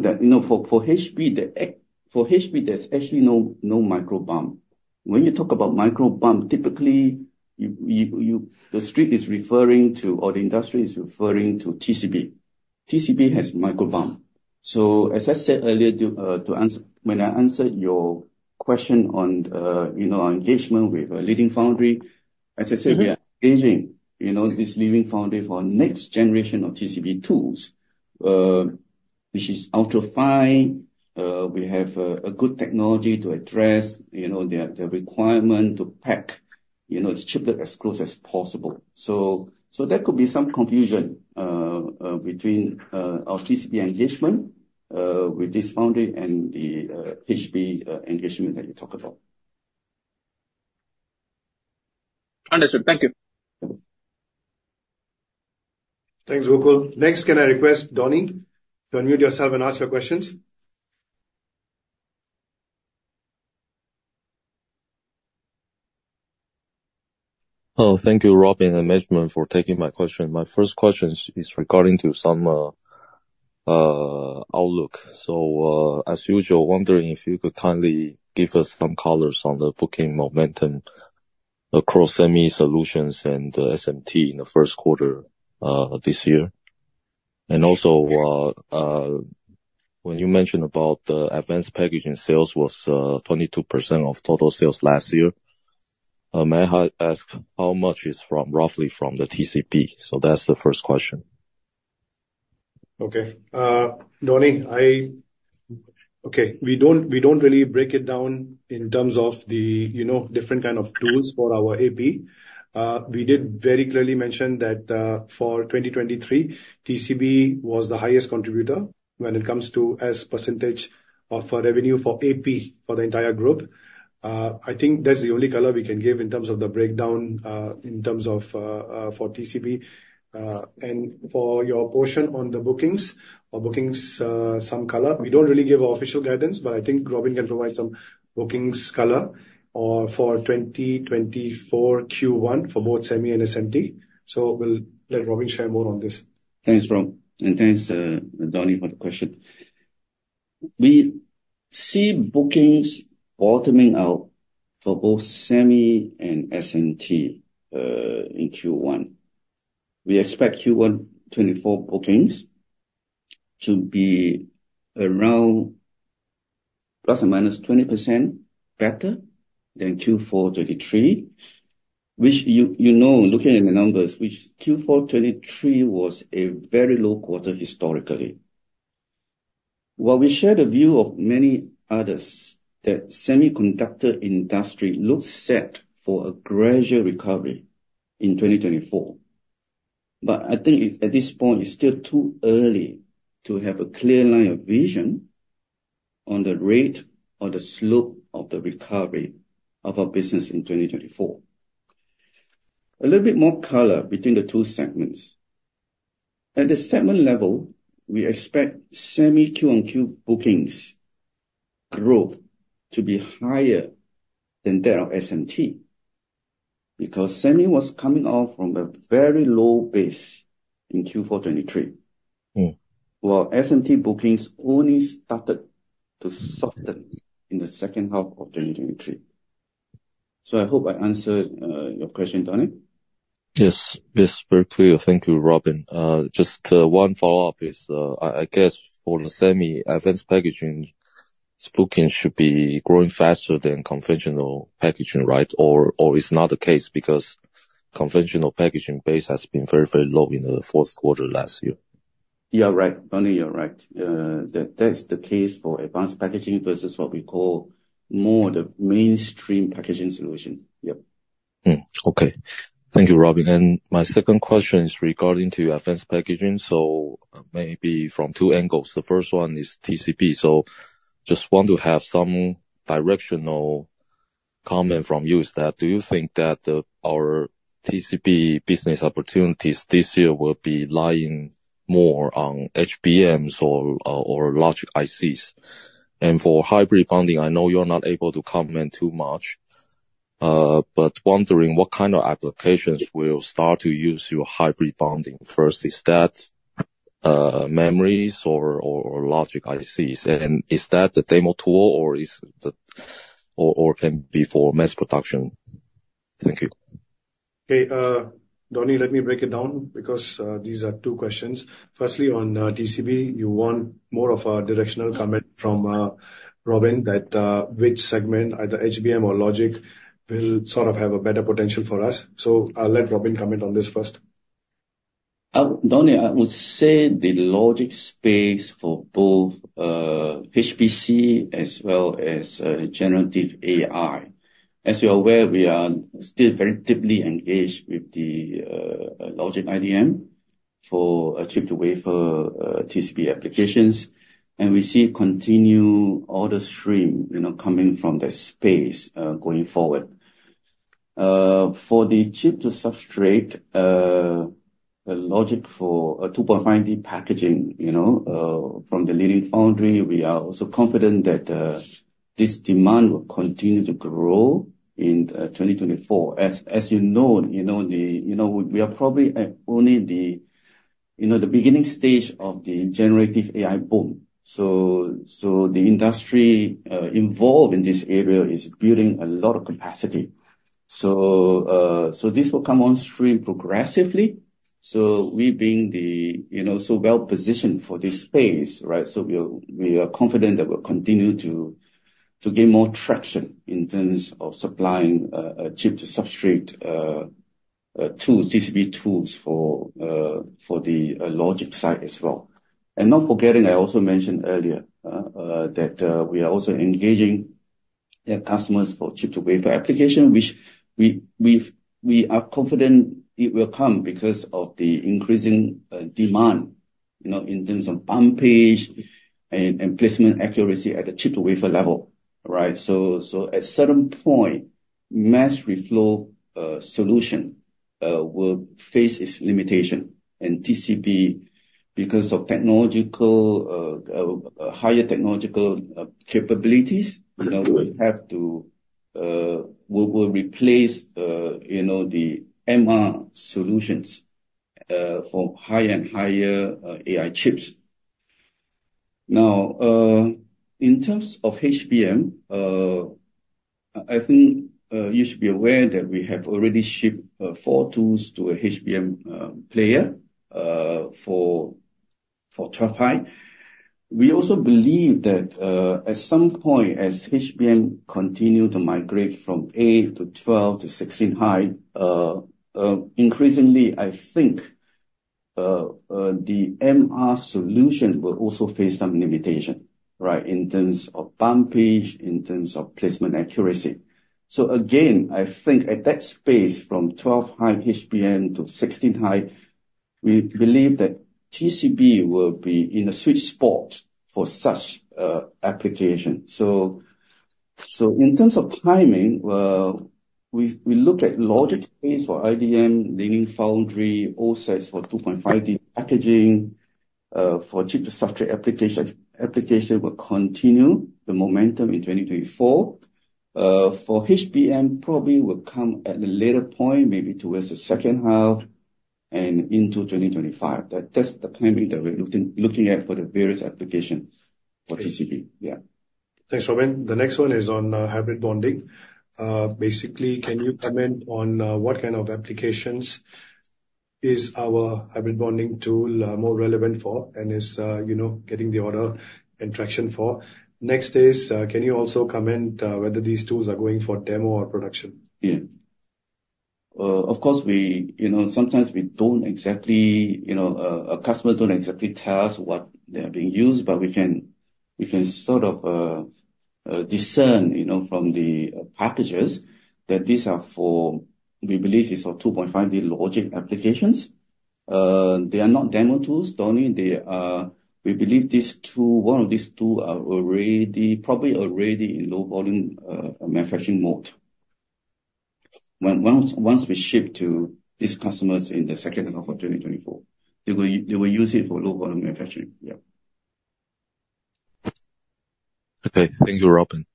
that for HB, there's actually no micro bump. When you talk about micro bump, typically, the street is referring to, or the industry is referring to TCB. TCB has micro bump. So, as I said earlier, when I answered your question on our engagement with a leading foundry, as I said, we are engaging this leading foundry for next generation of TCB tools, which is ultra-fine. We have a good technology to address the requirement to pack the Chiplet as close as possible. So that could be some confusion between our TCB engagement with this foundry and the HB engagement that you talk about. Understood. Thank you. Thanks, Gokul. Next, can I request Donnie to unmute yourself and ask your questions? Oh, thank you, Robin and Benjamin, for taking my question. My first question is regarding some outlook. So as usual, wondering if you could kindly give us some colors on the booking momentum across Semi Solutions and SMT in the first quarter this year. And also, when you mentioned about the advanced packaging sales was 22% of total sales last year, may I ask how much is roughly from the TCB? So that's the first question. Okay. Donnie, okay, we don't really break it down in terms of the different kind of tools for our AP. We did very clearly mention that for 2023, TCB was the highest contributor when it comes to percentage of revenue for AP for the entire group. I think that's the only color we can give in terms of the breakdown in terms of for TCB. And for your portion on the bookings or bookings some color, we don't really give official guidance, but I think Robin can provide some bookings color for 2024 first quarter for both Semi and SMT. So we'll let Robin share more on this. Thanks, Rom. And thanks, Donnie, for the question. We see bookings bottoming out for both Semi and SMT in first quarter. We expect first quarter 2024 bookings to be around ±20% better than fourth quarter 2023, which you know, looking at the numbers, which fourth quarter 2023 was a very low quarter historically. While we share the view of many others that the semiconductor industry looks set for a gradual recovery in 2024, but I think at this point, it's still too early to have a clear line of vision on the rate or the slope of the recovery of our business in 2024. A little bit more color between the two segments. At the segment level, we expect Semi Q-on-Q bookings growth to be higher than that of SMT because Semi was coming off from a very low base in fourth quarter 2023, while SMT bookings only started to soften in the second half of 2023. So I hope I answered your question, Donnie. Yes. Yes, very clear. Thank you, Robin. Just one follow-up is, I guess, for the Semi, advanced packaging bookings should be growing faster than conventional packaging, right? Or it's not the case because conventional packaging base has been very, very low in the fourth quarter last year. You're right. Donnie, you're right. That's the case for advanced packaging versus what we call more the mainstream packaging solution. Yep. Okay. Thank you, Robin. And my second question is regarding to advanced packaging. So maybe from two angles. The first one is TCB. So just want to have some directional comment from you is that do you think that our TCB business opportunities this year will be lying more on HBMs or large ICs? And for hybrid bonding, I know you're not able to comment too much, but wondering what kind of applications will start to use your hybrid bonding? First, is that memories or logic ICs? And is that the demo tool, or can it be for mass production? Thank you. Okay. Donnie, let me break it down because these are two questions. Firstly, on TCB, you want more of a directional comment from Robin that which segment, either HBM or logic, will sort of have a better potential for us. So I'll let Robin comment on this first. Donnie, I would say the logic space for both HPC as well as generative AI. As you're aware, we are still very deeply engaged with the logic IDM for Chip-to-Wafer TCB applications. And we see continued order stream coming from that space going forward. For the Chip-to-Substrate, the logic for 2.5D packaging from the leading foundry, we are also confident that this demand will continue to grow in 2024. As you know, we are probably only in the beginning stage of the generative AI boom. So the industry involved in this area is building a lot of capacity. So this will come on stream progressively. So we being so well-positioned for this space, right? So we are confident that we'll continue to gain more traction in terms of supplying Chip-to-Substrate tools, TCB tools for the logic side as well. And not forgetting, I also mentioned earlier that we are also engaging customers for Chip-to-Wafer application, which we are confident it will come because of the increasing demand in terms of bump pitch and placement accuracy at the Chip-to-Wafer level, right? So, at a certain point, mass reflow solution will face its limitation. And TCB, because of higher technological capabilities, will have to replace the MR solutions for higher and higher AI chips. Now, in terms of HBM, I think you should be aware that we have already shipped four tools to a HBM player for 12 height. We also believe that at some point, as HBM continue to migrate from eight to 12 to 16 height, increasingly, I think the MR solution will also face some limitation, right, in terms of bump pitch, in terms of placement accuracy. So again, I think at that space, from 12-high HBM to 16-high, we believe that TCB will be in a sweet spot for such application. So in terms of timing, we look at logic space for IDM, leading foundry, OSATs for 2.5D packaging for chip-to-substrate application will continue the momentum in 2024. For HBM, probably will come at a later point, maybe towards the second half and into 2025. That's the timing that we're looking at for the various applications for TCB. Yeah. Thanks, Robin. The next one is on hybrid bonding. Basically, can you comment on what kind of applications is our hybrid bonding tool more relevant for and is getting the order and traction for? Next is, can you also comment whether these tools are going for demo or production? Yeah. Of course, sometimes we don't exactly a customer don't exactly tell us what they're being used, but we can sort of discern from the packages that these are for we believe it's for 2.5D logic applications. They are not demo tools, Donnie. We believe one of these two are probably already in low-volume manufacturing mode. Once we ship to these customers in the second half of 2024, they will use it for low-volume manufacturing. Yeah. Okay. Thank you, Robin.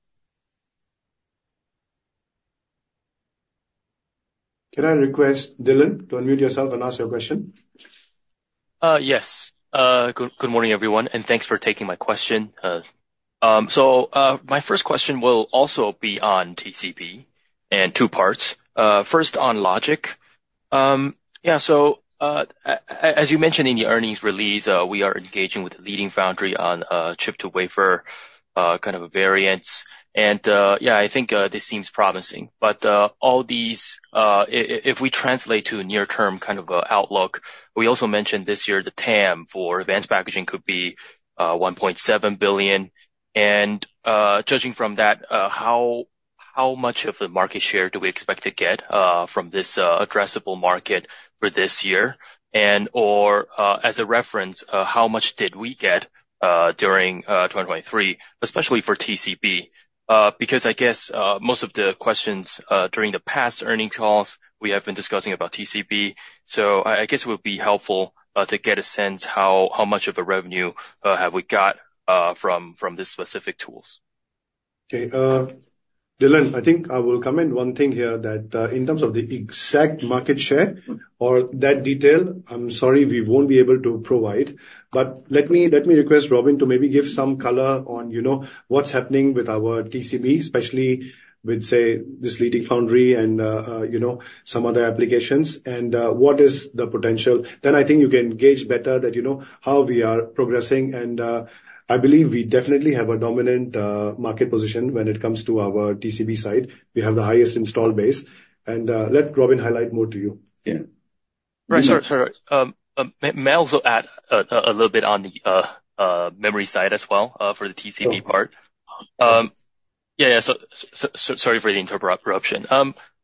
Can I request Dylan to unmute yourself and ask your question? Yes. Good morning, everyone. Thanks for taking my question. My first question will also be on TCB and two parts. First, on logic. Yeah. As you mentioned in the earnings release, we are engaging with the leading foundry on Chip-to-Wafer kind of a variance. Yeah, I think this seems promising. If we translate to near-term kind of an outlook, we also mentioned this year the TAM for advanced packaging could be $1.7 billion. Judging from that, how much of the market share do we expect to get from this addressable market for this year? And/or as a reference, how much did we get during 2023, especially for TCB? Because I guess most of the questions during the past earnings calls, we have been discussing about TCB. I guess it would be helpful to get a sense how much of a revenue have we got from these specific tools. Okay. Dylan, I think I will comment one thing here that in terms of the exact market share or that detail, I'm sorry, we won't be able to provide. But let me request Robin to maybe give some color on what's happening with our TCB, especially with, say, this leading foundry and some other applications, and what is the potential. Then I think you can gauge better how we are progressing. And I believe we definitely have a dominant market position when it comes to our TCB side. We have the highest installed base. And let Robin highlight more to you. Yeah. Right. Sorry. Sorry. May I also add a little bit on the memory side as well for the TCB part? Yeah. Yeah. So sorry for the interruption.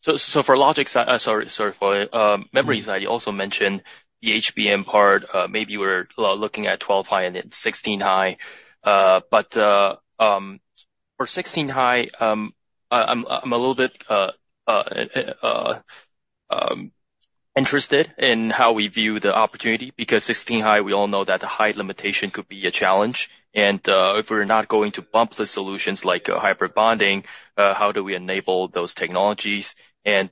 So for logic side, sorry, sorry for it. Memory side, you also mentioned the HBM part. Maybe we're looking at 12-high and then 16-high. But for 16-high, I'm a little bit interested in how we view the opportunity because 16-high, we all know that the height limitation could be a challenge. And if we're not going to bumpless solutions like hybrid bonding, how do we enable those technologies? And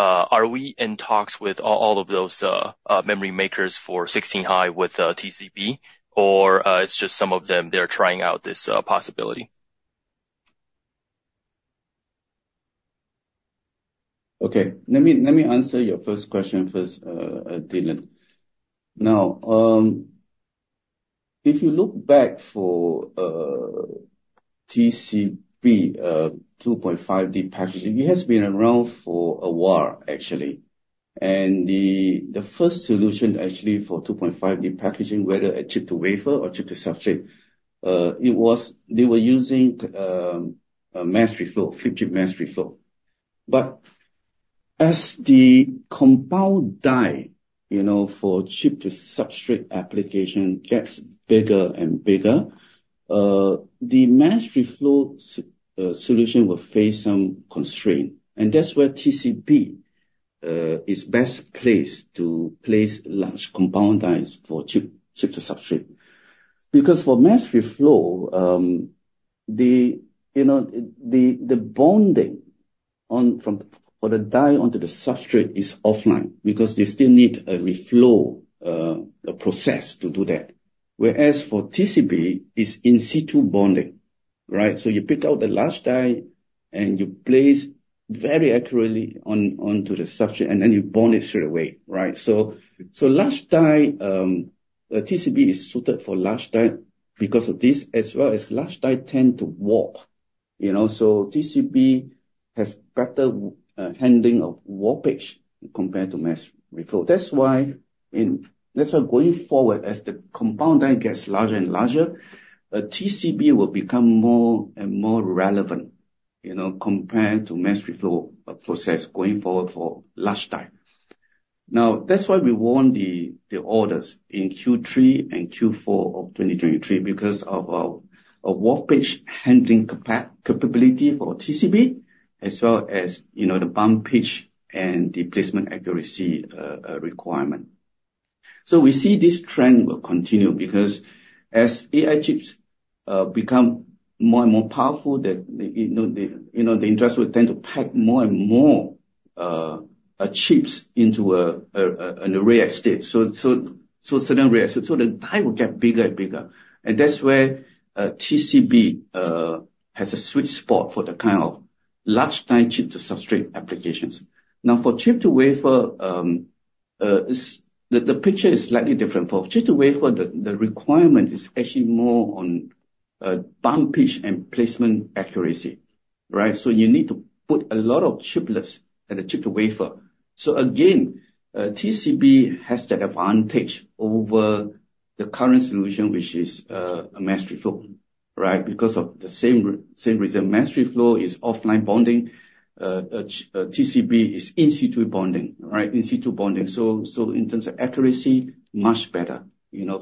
are we in talks with all of those memory makers for 16-high with TCB, or it's just some of them they're trying out this possibility? Okay. Let me answer your first question first, Dylan. Now, if you look back for TCB 2.5D packaging, it has been around for a while, actually. And the first solution, actually, for 2.5D packaging, whether a Chip-to-Wafer or Chip-to-Substrate, they flip chip mass reflow. but as the compound die for Chip-to-Substrate application gets bigger and bigger, the mass reflow solution will face some constraint. And that's where TCB is best placed to place large compound dies for Chip-to-Substrate. Because for mass reflow, the bonding for the die onto the substrate is offline because they still need a reflow process to do that. Whereas for TCB, it's in-situ bonding, right? So, you pick out the large die, and you place very accurately onto the substrate, and then you bond it straight away, right? TCB is suited for large die because of this, as well as large die tend to warp. TCB has better handling of warpage compared to mass reflow. That's why going forward, as the compound die gets larger and larger, TCB will become more and more relevant compared to mass reflow process going forward for large die. Now, that's why we won the orders in third quarter and fourth quarter of 2023 because of our warpage handling capability for TCB as well as the bump pitch and the placement accuracy requirement. We see this trend will continue because as AI chips become more and more powerful, the industries will tend to pack more and more chips into an array of stacks. Certain array of stacks, so the die will get bigger and bigger. That's where TCB has a sweet spot for the kind of large die Chip-to-Substrate applications. Now, for Chip-to-Wafer, the picture is slightly different. For Chip-to-Wafer, the requirement is actually more on bump pitch and placement accuracy, right? So, you need to put a lot of chiplets at the Chip-to-Wafer. So again, TCB has that advantage over the current solution, which is mass reflow, right, because of the same reason. mass reflow is offline bonding. TCB is in-situ bonding, right, in-situ bonding. So, in terms of accuracy, much better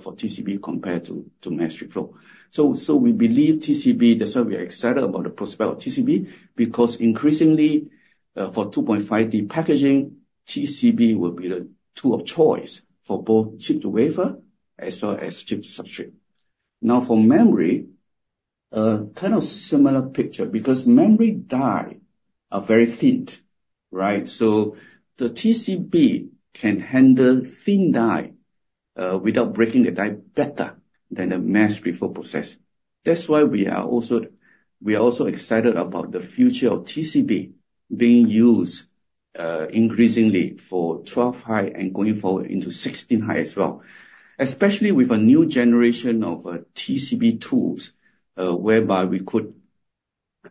for TCB compared to mass reflow. So, we believe TCB, that's why we are excited about the prospect of TCB because increasingly, for 2.5D packaging, TCB will be the tool of choice for both Chip-to-Wafer as well as Chip-to-Substrate. Now, for memory, kind of similar picture because memory die are very thin, right? So, the TCB can handle thin die without breaking the die better than the mass reflow process. That's why we are also excited about the future of TCB being used increasingly for 12-high and going forward into 16-high as well, especially with a new generation of TCB tools whereby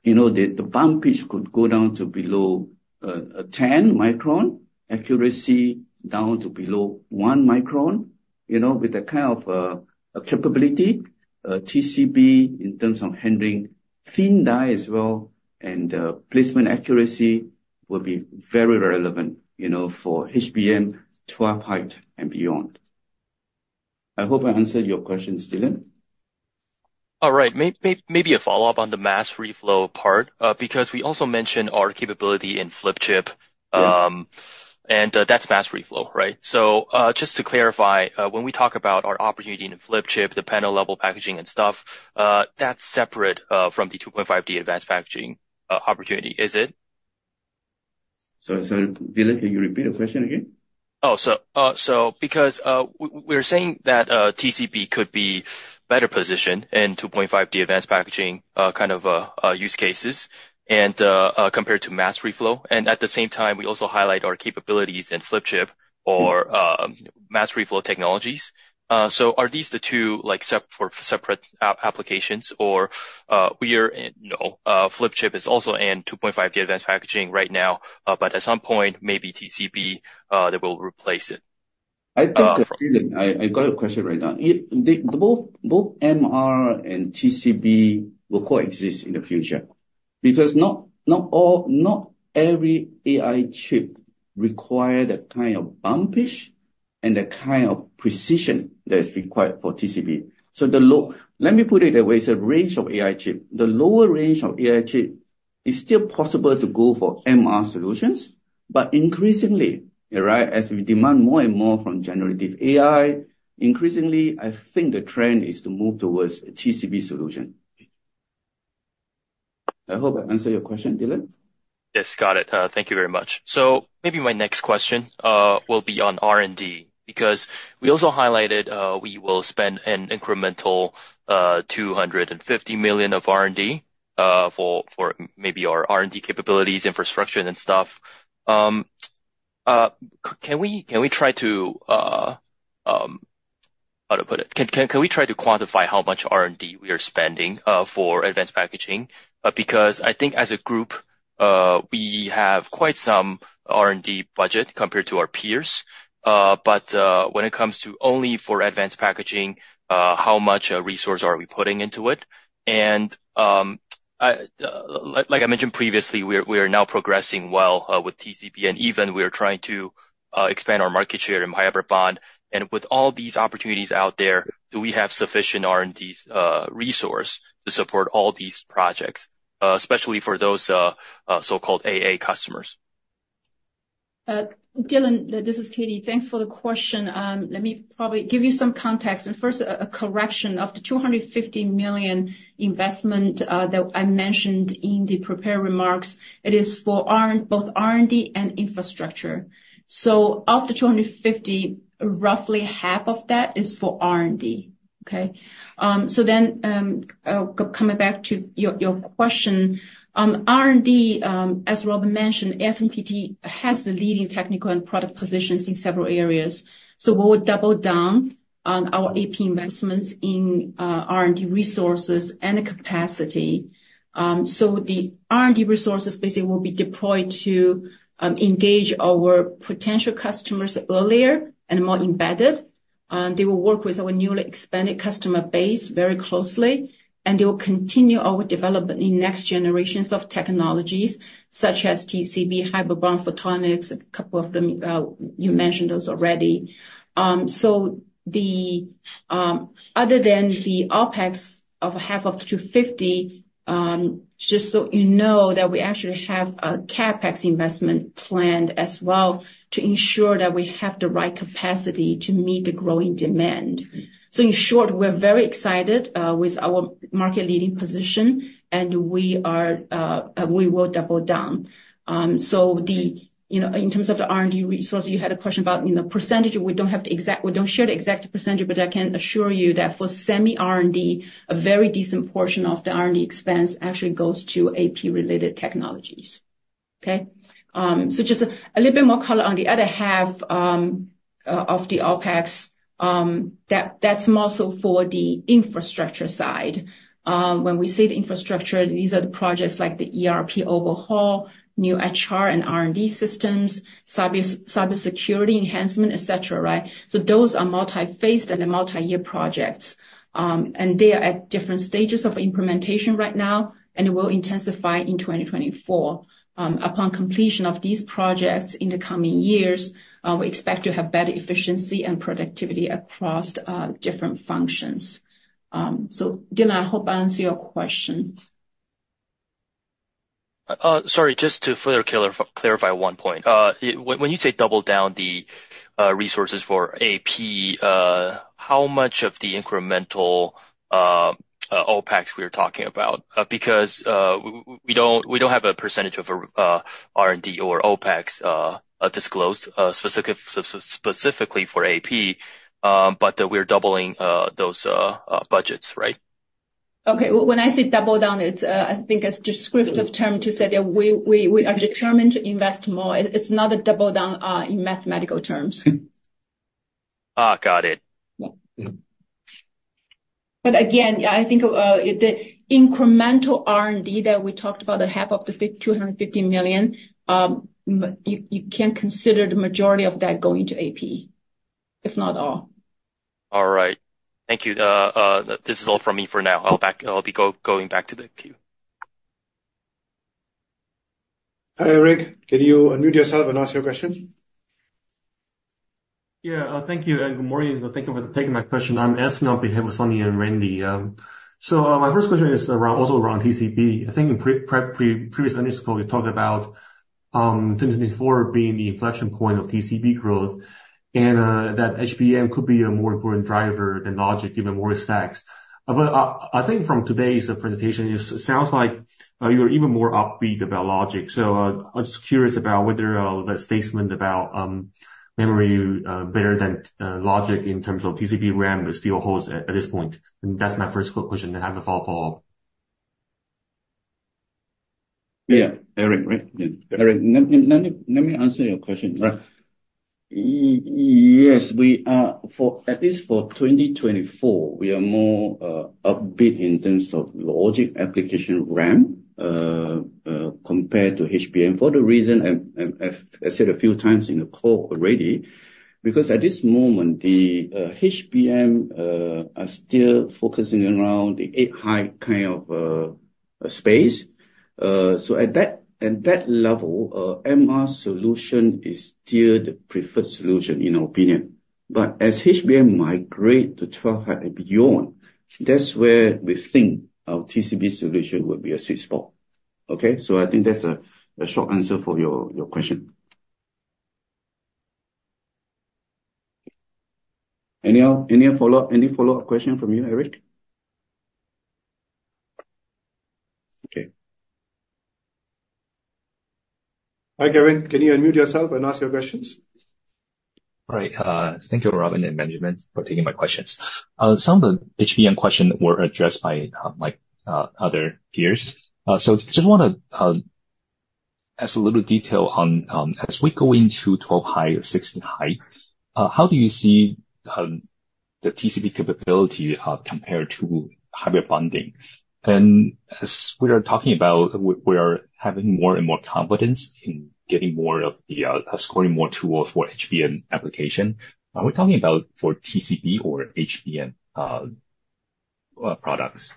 the bump pitch could go down to below 10-micron, accuracy down to below 1-micron with the kind of capability. TCB, in terms of handling thin die as well and placement accuracy, will be very relevant for HBM 12-high and beyond. I hope I answered your questions, Dylan. All right. Maybe a follow-up on the mass reflow part because we also mentioned our capability in flip chip. And that's mass reflow, right? So just to clarify, when we talk about our opportunity in flip chip, the panel-level packaging and stuff, that's separate from the 2.5D advanced packaging opportunity, is it? Dylan, can you repeat the question again? Oh. So, because we are saying that TCB could be better positioned in 2.5D advanced packaging kind of use cases compared to mass reflow. And at the same time, we also highlight our capabilities in flip chip or mass reflow technologies. So, are these the two separate applications, or we are no, flip chip is also in 2.5D advanced packaging right now, but at some point, maybe TCB that will replace it? I think, Dylan, I got a question right now. Both MR and TCB will coexist in the future because not every AI chip requires that kind of bump pitch and the kind of precision that is required for TCB. So let me put it that way. It's a range of AI chip. The lower range of AI chip, it's still possible to go for MR solutions. But increasingly, right, as we demand more and more from generative AI, increasingly, I think the trend is to move towards a TCB solution. I hope I answered your question, Dylan. Yes. Got it. Thank you very much. So maybe my next question will be on R&D because we also highlighted we will spend an incremental 250 million of R&D for maybe our R&D capabilities, infrastructure, and stuff. Can we try to how to put it? Can we try to quantify how much R&D we are spending for advanced packaging? Because I think as a group, we have quite some R&D budget compared to our peers. But when it comes to only for advanced packaging, how much resource are we putting into it? And like I mentioned previously, we are now progressing well with TCB. And even we are trying to expand our market share in hybrid bond. And with all these opportunities out there, do we have sufficient R&D resource to support all these projects, especially for those so-called AA customers? Dylan, this is Katie. Thanks for the question. Let me probably give you some context. And first, a correction. Of the 250 million investment that I mentioned in the prepared remarks, it is for both R&D and infrastructure. So, of the 250 million, roughly half of that is for R&D, okay? So then coming back to your question, R&D, as Robin mentioned, ASMPT has the leading technical and product positions in several areas. So, we will double down on our AP investments in R&D resources and capacity. So, the R&D resources, basically, will be deployed to engage our potential customers earlier and more embedded. They will work with our newly expanded customer base very closely. And they will continue our development in next generations of technologies such as TCB, hybrid bond, photonics, a couple of them you mentioned those already. So other than the OPEX of 125 million, just so you know that we actually have a CapEx investment planned as well to ensure that we have the right capacity to meet the growing demand. So in short, we're very excited with our market-leading position, and we will double down. So in terms of the R&D resources, you had a question about percentage. We don't have the exact we don't share the exact percentage, but I can assure you that for semi-R&D, a very decent portion of the R&D expense actually goes to AP-related technologies, okay? So just a little bit more color on the other half of the OPEX, that's also for the infrastructure side. When we say the infrastructure, these are the projects like the ERP overhaul, new HR and R&D systems, cybersecurity enhancement, etc., right? So those are multi-phased and multi-year projects. They are at different stages of implementation right now, and it will intensify in 2024. Upon completion of these projects in the coming years, we expect to have better efficiency and productivity across different functions. Dylan, I hope I answered your question. Sorry, just to further clarify one point. When you say double down the resources for AP, how much of the incremental OpEx we are talking about? Because we don't have a percentage of R&D or OpEx disclosed specifically for AP, but we're doubling those budgets, right? Okay. When I say double down, I think it's a descriptive term to say that we are determined to invest more. It's not a double down in mathematical terms. Okay got it. But again, I think the incremental R&D that we talked about, the 125 million, you can't consider the majority of that going to AP, if not all. All right. Thank you. This is all from me for now. I'll be going back to the queue. Hi, Eric. Can you unmute yourself and ask your question? Yeah. Thank you. And good morning. Thank you for taking my question. I'm Asking on behalf of Sonny and Randy. So, my first question is also around TCB. I think in previous call, we talked about 2024 being the inflection point of TCB growth and that HBM could be a more important driver than logic, even more stacks. But I think from today's presentation, it sounds like you're even more upbeat about logic. So, I was curious about whether that statement about memory better than logic in terms of TCB ramp still holds at this point. And that's my first question that I have to follow up. Yeah. Eric, right? Eric, let me answer your question, right? Yes. At least for 2024, we are more upbeat in terms of logic application RAM compared to HBM for the reason I said a few times in the call already because at this moment, the HBM are still focusing around the 8-high kind of space. So at that level, MR solution is still the preferred solution, in our opinion. But as HBM migrate to 12-high and beyond, that's where we think our TCB solution would be a sweet spot, okay? So I think that's a short answer for your question. Any follow-up question from you, Eric? Okay. Hi, Kevin. Can you unmute yourself and ask your questions? All right. Thank you, Robin and Benjamin, for taking my questions. Some of the HBM questions were addressed by other peers. Just want to add a little detail on, as we go into 12 high or 16 high, how do you see the TCB capability compared to hybrid bonding? And as we are talking about, we are having more and more confidence in getting more of the securing more tools for HBM application. Are we talking about for TCB or HBM products?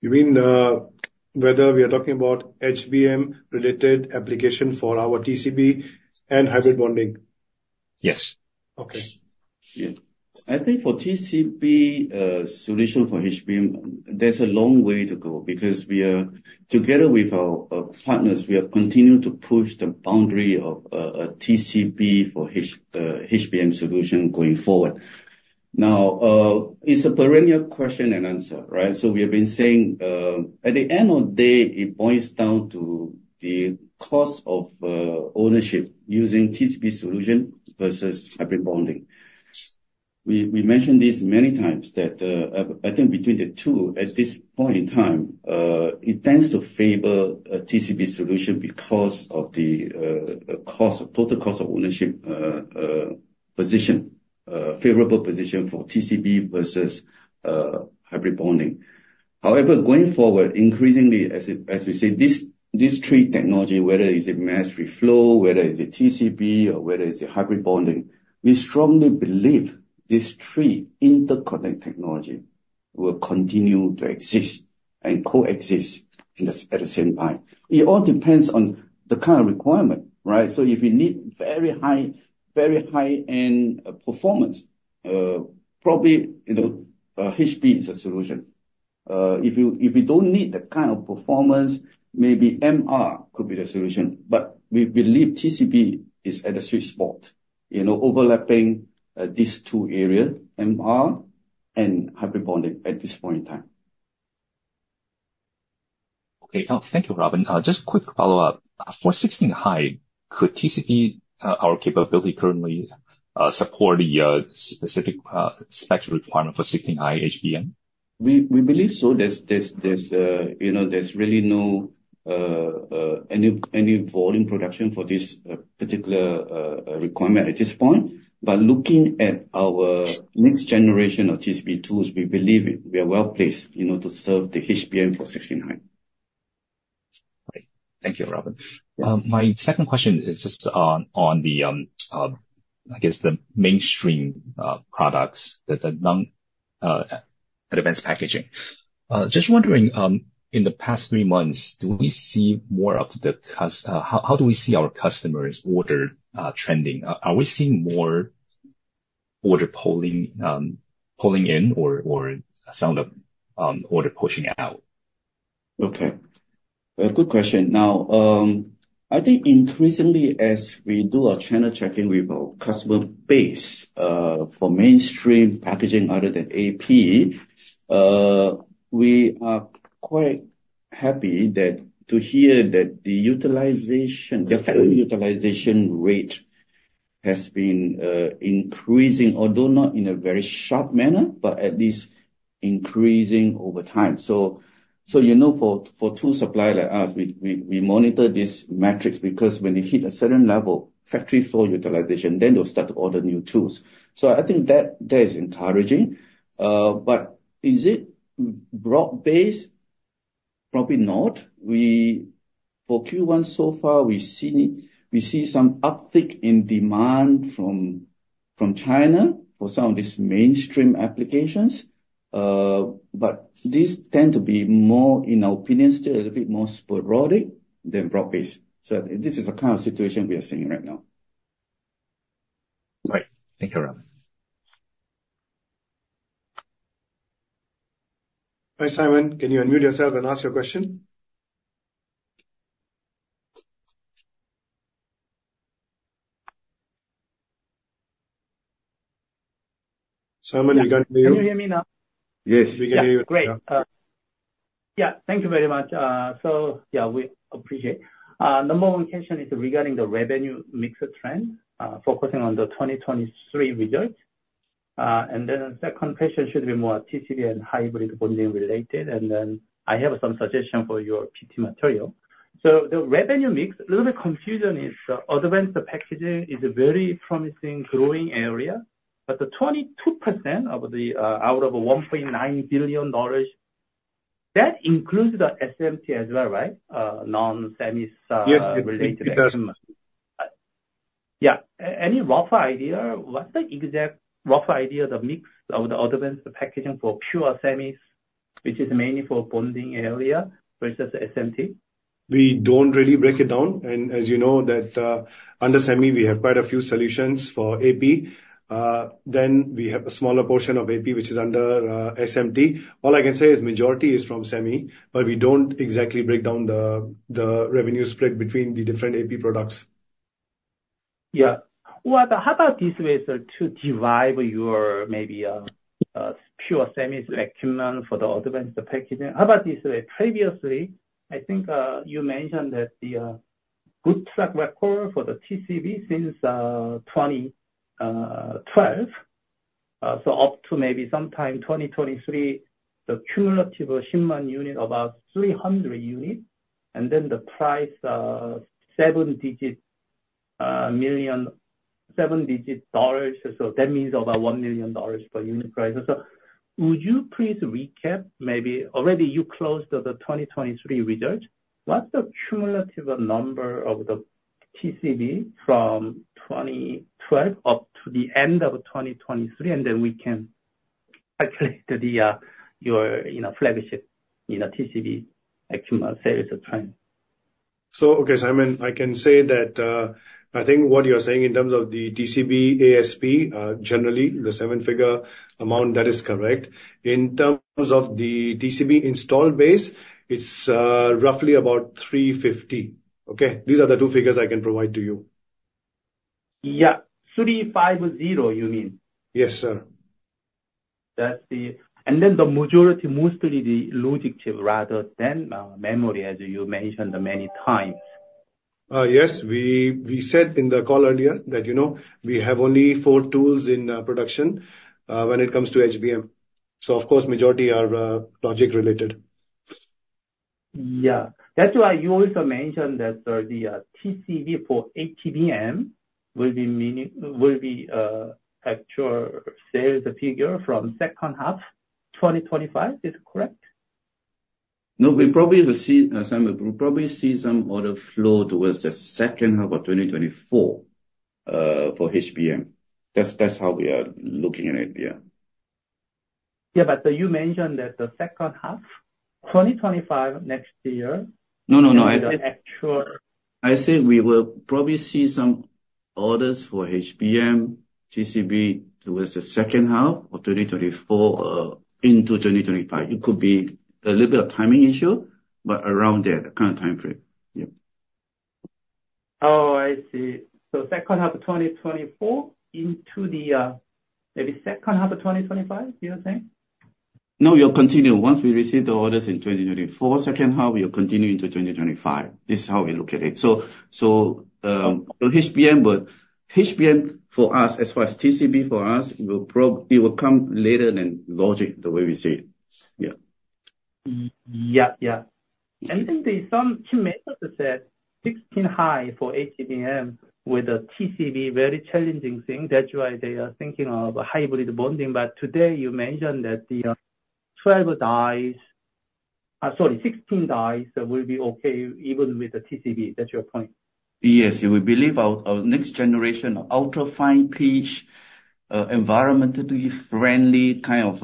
You mean whether we are talking about HBM-related application for our TCB and hybrid bonding? Yes. Okay. I think for TCB solution for HBM, there's a long way to go because together with our partners, we have continued to push the boundary of a TCB for HBM solution going forward. Now, it's a perennial question and answer, right? So we have been saying at the end of the day, it boils down to the cost of ownership using TCB solution versus hybrid bonding. We mentioned this many times that I think between the two, at this point in time, it tends to favor a TCB solution because of the total cost of ownership position, favorable position for TCB versus hybrid bonding. However, going forward, increasingly, as we say, this three technology, whether it's a mass reflow, whether it's a TCB, or whether it's a hybrid bonding, we strongly believe this three interconnect technology will continue to exist and coexist at the same time. It all depends on the kind of requirement, right? So if you need very high-end performance, probably HB is a solution. If you don't need that kind of performance, maybe MR could be the solution. But we believe TCB is at a sweet spot, overlapping these two areas, MR and hybrid bonding, at this point in time. Okay. Thank you, Robin. Just quick follow-up. For 16 high, could TCB, our capability currently, support the specific specs requirement for 16 high HBM? We believe so. There's really no any volume production for this particular requirement at this point. But looking at our next generation of TCB tools, we believe we are well placed to serve the HBM for 16 high. All right. Thank you, Robin. My second question is just on, I guess, the mainstream products, the non-advanced packaging. Just wondering, in the past three months, do we see more of the how do we see our customers' order trending? Are we seeing more order pulling in or some of the order pushing out? Okay. Good question. Now, I think increasingly, as we do a channel checking with our customer base for mainstream packaging other than AP, we are quite happy to hear that the factory utilization rate has been increasing, although not in a very sharp manner, but at least increasing over time. So for tool supplier like us, we monitor this metrics because when they hit a certain level, factory floor utilization, then they'll start to order new tools. So I think that is encouraging. But is it broad-based? Probably not. For first quarter so far, we see some uptick in demand from China for some of these mainstream applications. But these tend to be more, in our opinion, still a little bit more sporadic than broad-based. So this is the kind of situation we are seeing right now. All right. Thank you, Robin. Hi, Simon. Can you unmute yourself and ask your question? Simon, you got me? Can you hear me now? Yes. We can hear you. Great. Yeah. Thank you very much. So yeah, we appreciate. Number one question is regarding the revenue mix trend, focusing on the 2023 result. And then the second question should be more TCB and hybrid bonding related. And then I have some suggestions for your PPT material. So the revenue mix, a little bit confusion is advanced packaging is a very promising growing area. But the 22% out of the $1.9 billion, that includes the SMT as well, right? Non-SEMIs related. Yes. It does. Yeah. Any rough idea? What's the exact rough idea, the mix of the advanced packaging for pure semis, which is mainly for bonding area versus SMT? We don't really break it down. As you know, under SEMI, we have quite a few solutions for AP. We have a smaller portion of AP, which is under SMT. All I can say is majority is from SEMI, but we don't exactly break down the revenue split between the different AP products. Yeah. How about this way to divide your maybe pure SEMI segment for the advanced packaging? How about this way? Previously, I think you mentioned that the good track record for the TCB since 2012, so up to maybe sometime 2023, the cumulative shipment units about 300 units, and then the price seven-digit dollars. So that means about $1 million per unit price. So would you please recap? Maybe already you closed the 2023 result. What's the cumulative number of the TCB from 2012 up to the end of 2023? And then we can calculate your flagship TCB sales trend. So, okay, Simon, I can say that I think what you're saying in terms of the TCB ASP, generally, the seven-figure amount, that is correct. In terms of the TCB installed base, it's roughly about 350, okay? These are the two figures I can provide to you. Yeah. 350, you mean? Yes, sir. Then the majority moves to the logic chip rather than memory, as you mentioned many times. Yes. We said in the call earlier that we have only four tools in production when it comes to HBM. So, of course, majority are logic-related. Yeah. That's why you also mentioned that the TCB for HBM will be actual sales figure from second half 2025. Is it correct? No, we probably will see Simon, we probably see some order flow towards the second half of 2024 for HBM. That's how we are looking at it. Yeah. Yeah. But you mentioned that the second half 2025, next year. No, no, no. I said we will probably see some orders for HBM TCB towards the second half of 2024 into 2025. It could be a little bit of timing issue, but around there, that kind of time frame. Yeah. Oh, I see. So second half of 2024 into the maybe second half of 2025, you're saying? No, we'll continue. Once we receive the orders in 2024, second half, we'll continue into 2025. This is how we look at it. So HBM, but HBM for us, as far as TCB for us, it will come later than logic, the way we see it. Yeah. Yeah, yeah. And then some team members said 16-high for HBM with the TCB, very challenging thing. That's why they are thinking of hybrid bonding. But today, you mentioned that the 12 dies sorry, 16 dies will be okay even with the TCB. That's your point. Yes. We believe our next generation of ultra-fine-pitched, environmentally friendly kind of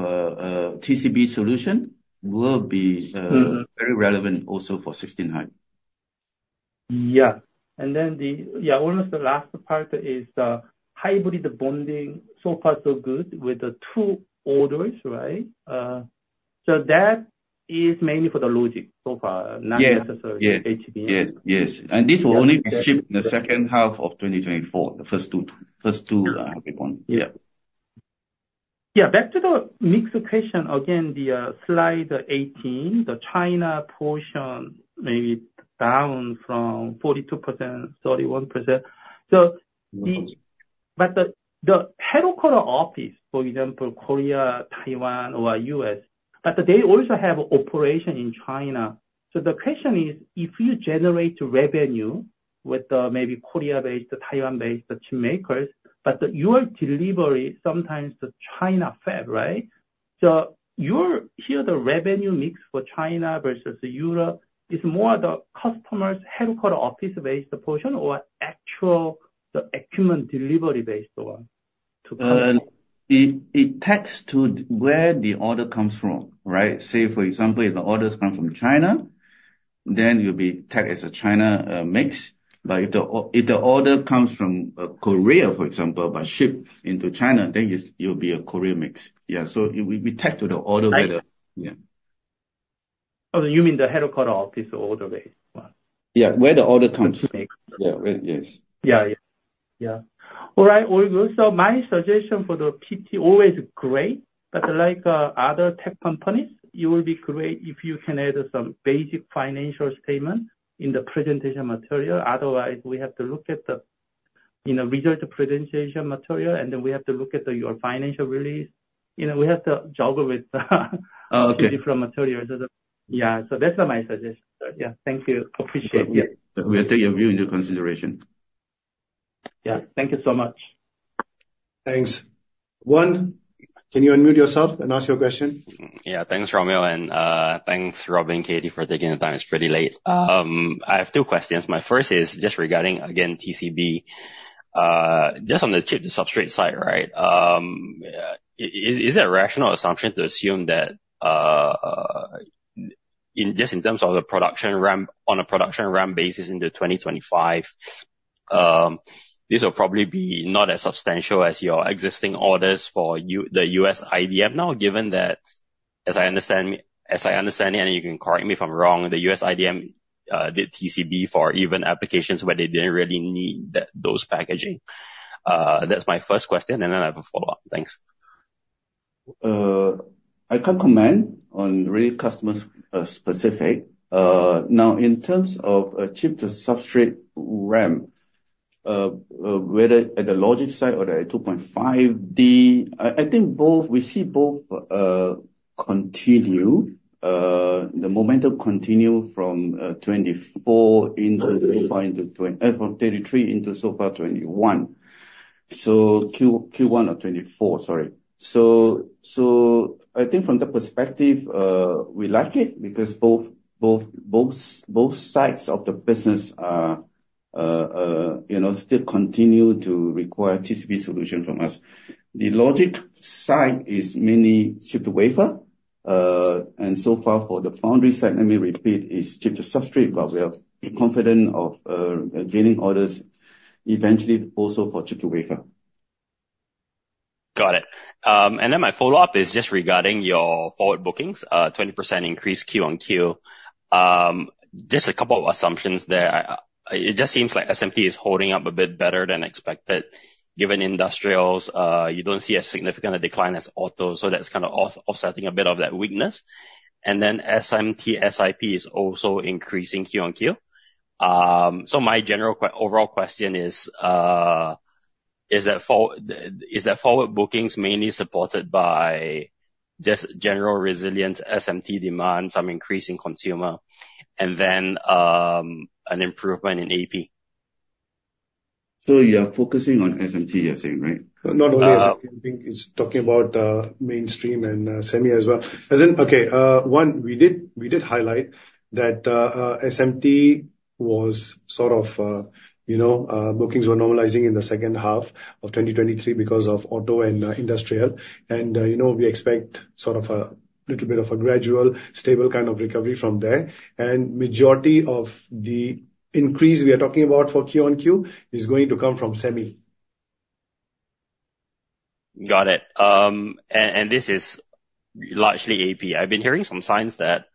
TCB solution will be very relevant also for 16 high. Yeah. Then, yeah, almost the last part is hybrid bonding so far so good with the two orders, right? So that is mainly for the logic so far, not necessarily HBM. Yes, yes. And this will only be achieved in the second half of 2024, the first two hybrid bonding. Yeah. Yeah. Back to the mixed question, again, the slide 18, the China portion maybe down from 42% to 31%. But the headquarters office, for example, Korea, Taiwan, or US, but they also have operations in China. So the question is, if you generate revenue with maybe Korea-based, Taiwan-based chip makers, but your delivery sometimes to China fabs, right? So here, the revenue mix for China versus Europe is more the customer's headquarters office-based portion or actually the equipment delivery-based one to customer? It tags to where the order comes from, right? Say, for example, if the orders come from China, then it will be tagged as a China mix. But if the order comes from Korea, for example, but shipped into China, then it will be a Korea mix. Yeah. So we tag to the order whether. Oh, you mean the headquarters office order-based one? Yeah. Where the order comes. Mix? Yeah. Yes. Yeah, yeah. Yeah. All right. All good. So my suggestion for the PT always great, but like other tech companies, it will be great if you can add some basic financial statement in the presentation material. Otherwise, we have to look at the result presentation material, and then we have to look at your financial release. We have to juggle with the different materials. Yeah. So that's my suggestion. Yeah. Thank you. Appreciate it. Yeah. Okay. We'll take your view into consideration. Yeah. Thank you so much. Thanks. Juan, can you unmute yourself and ask your question? Yeah. Thanks, Rommel. And thanks, Robin and Katie, for taking the time. It's pretty late. I have two questions. My first is just regarding, again, TCB. Just on the chip, the substrate side, right? Is it a rational assumption to assume that just in terms of the production ramp on a production ramp basis into 2025. These will probably be not as substantial as your existing orders for the US IDM now, given that, as I understand it, and you can correct me if I'm wrong, the US IDM did TCB for advanced applications where they didn't really need those packaging? That's my first question. And then I have a follow-up. Thanks. I can't comment on really customer-specific. Now, in terms of chip-to-substrate HBM, whether at the logic side or the 2.5D, I think we see both continue, the momentum continue from 2024 into so far into 2025 from third quarter into so far first quarter. So first quarter of 2024, sorry. So I think from that perspective, we like it because both sides of the business still continue to require TCB solution from us. The logic side is mainly chip-to-wafer. And so far for the foundry side, let me repeat, is chip-to-substrate, but we are confident of gaining orders eventually also for chip-to-wafer. Got it. And then my follow-up is just regarding your forward bookings, 20% increase Q on Q. Just a couple of assumptions there. It just seems like SMT is holding up a bit better than expected. Given industrials, you don't see a significant decline as auto. So that's kind of offsetting a bit of that weakness. And then SMT, SiP is also increasing Q on Q. So, my general overall question is, is that forward bookings mainly supported by just general resilient SMT demand, some increase in consumer, and then an improvement in AP? You are focusing on SMT, you're saying, right? Not only SMT. I think it's talking about mainstream and SEMI as well. Okay. Juan, we did highlight that SMT was sort of bookings were normalizing in the second half of 2023 because of auto and industrial. And we expect sort of a little bit of a gradual, stable kind of recovery from there. And majority of the increase we are talking about for Q-on-Q is going to come from SEMI. Got it. And this is largely AP. I've been hearing some signs that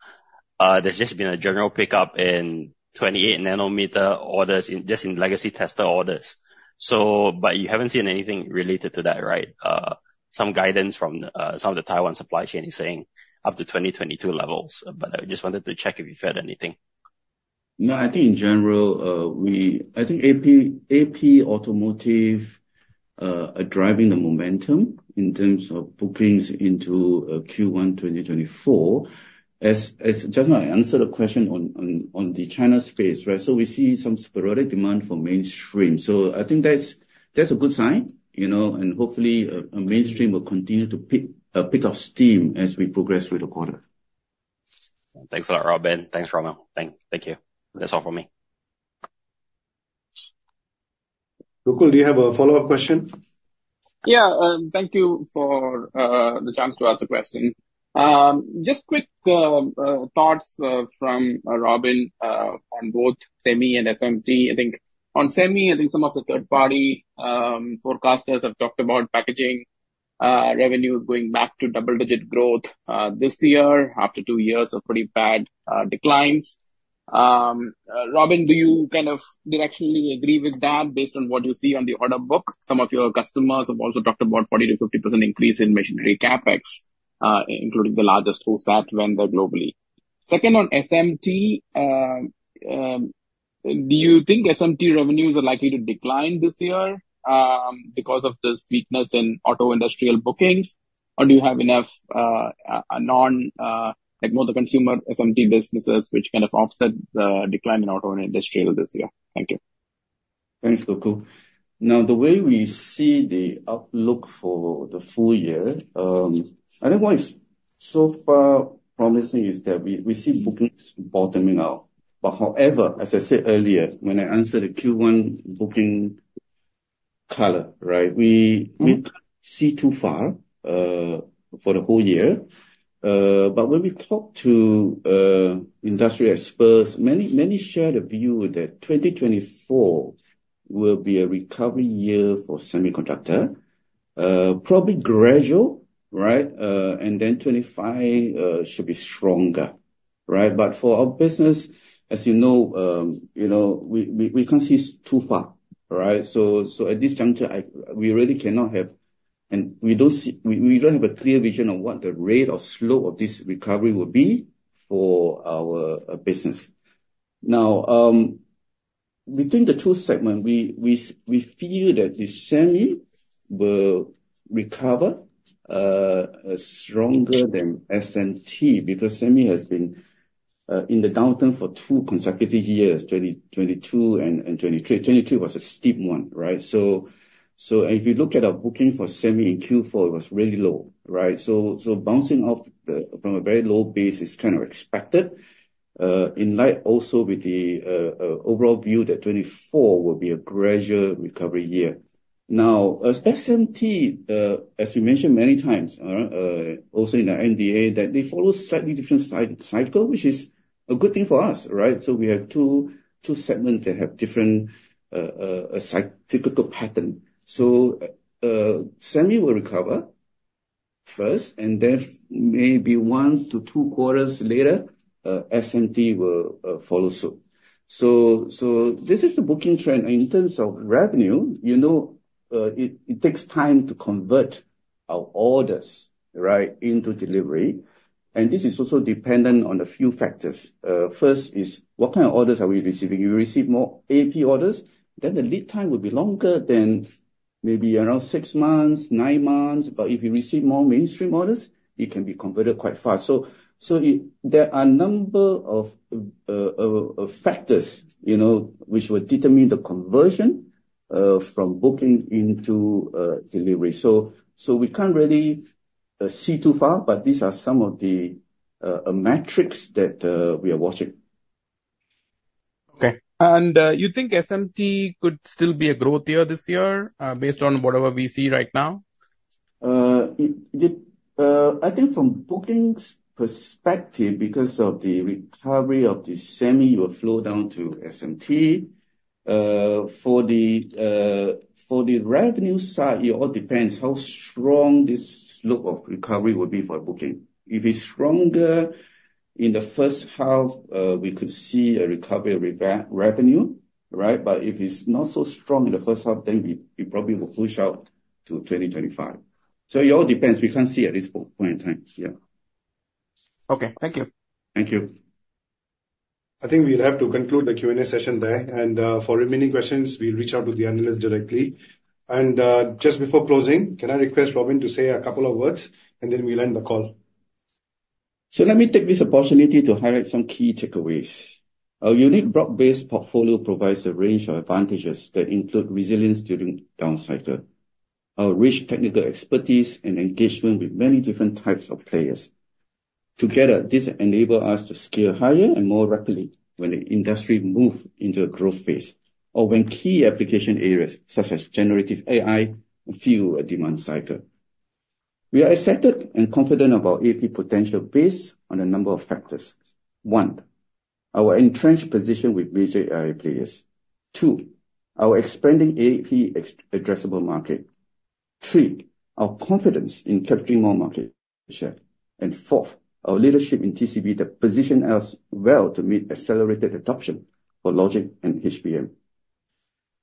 there's just been a general pickup in 28-nanometer orders just in legacy tester orders. But you haven't seen anything related to that, right? Some guidance from some of the Taiwan supply chain is saying up to 2022 levels. But I just wanted to check if you felt anything. No, I think in general, I think AP Automotive are driving the momentum in terms of bookings into first quarter 2024. It's just my answer to the question on the China space, right? So we see some sporadic demand for mainstream. So I think that's a good sign. And hopefully, mainstream will continue to pick up steam as we progress through the quarter. Thanks a lot, Robin. Thanks, Romeo. Thank you. That's all from me. Gokul, do you have a follow-up question? Yeah. Thank you for the chance to ask the question. Just quick thoughts from Robin on both SEMI and SMT. I think on SEMI, I think some of the third-party forecasters have talked about packaging revenues going back to double-digit growth this year after two years of pretty bad declines. Robin, do you kind of directionally agree with that based on what you see on the order book? Some of your customers have also talked about 40% to 50% increase in machinery CapEx, including the largest OSAT vendor globally. Second, on SMT, do you think SMT revenues are likely to decline this year because of this weakness in auto industrial bookings, or do you have enough more of the consumer SMT businesses which kind of offset the decline in auto and industrial this year? Thank you. Thanks, Gokul. Now, the way we see the outlook for the full year, I think what is so far promising is that we see bookings bottoming out. But however, as I said earlier, when I answered the first quarter booking color, right, we can't see too far for the whole year. But when we talk to industry experts, many share the view that 2024 will be a recovery year for semiconductor, probably gradual, right? And then 2025 should be stronger, right? But for our business, as you know, we can't see too far, right? So at this juncture, we really cannot have and we don't have a clear vision of what the rate or slope of this recovery will be for our business. Now, between the two segments, we feel that the SEMI will recover stronger than SMT because SEMI has been in the downturn for two consecutive years, 2022 and 2023. 2023 was a steep one, right? So if you look at our booking for SEMI in fourth quarter, it was really low, right? So bouncing off from a very low base is kind of expected in light also with the overall view that 2024 will be a gradual recovery year. Now, as SMT, as we mentioned many times, also in the NDA, that they follow slightly different cycle, which is a good thing for us, right? So we have two segments that have different cyclical patterns. So SEMI will recover first, and then maybe one to two quarters later, SMT will follow suit. So this is the booking trend. In terms of revenue, it takes time to convert our orders, right, into delivery. This is also dependent on a few factors. First is what kind of orders are we receiving? If we receive more AP orders, then the lead time will be longer than maybe around six months, nine months. But if you receive more mainstream orders, it can be converted quite fast. There are a number of factors which will determine the conversion from booking into delivery. We can't really see too far, but these are some of the metrics that we are watching. Okay. And you think SMT could still be a growth year this year based on whatever we see right now? I think from bookings' perspective, because of the recovery of the SEMI, you will flow down to SMT. For the revenue side, it all depends how strong this look of recovery will be for booking. If it's stronger in the first half, we could see a recovery of revenue, right? But if it's not so strong in the first half, then we probably will push out to 2025. So it all depends. We can't see at this point in time. Yeah. Okay. Thank you. Thank you. I think we'll have to conclude the Q&A session there. For remaining questions, we'll reach out to the analyst directly. Just before closing, can I request Robin to say a couple of words, and then we'll end the call? So let me take this opportunity to highlight some key takeaways. A unique block-based portfolio provides a range of advantages that include resilience during downcycle, rich technical expertise, and engagement with many different types of players. Together, these enable us to scale higher and more rapidly when the industry moves into a growth phase or when key application areas such as generative AI fuel a demand cycle. We are excited and confident about AP potential based on a number of factors. One, our entrenched position with major AI players. Two, our expanding AP addressable market. Three, our confidence in capturing more market share. And fourth, our leadership in TCB that positioned us well to meet accelerated adoption for logic and HBM.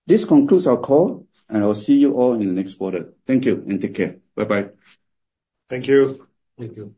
This concludes our call, and I'll see you all in the next quarter. Thank you, and take care. Bye-bye. Thank you. Thank you.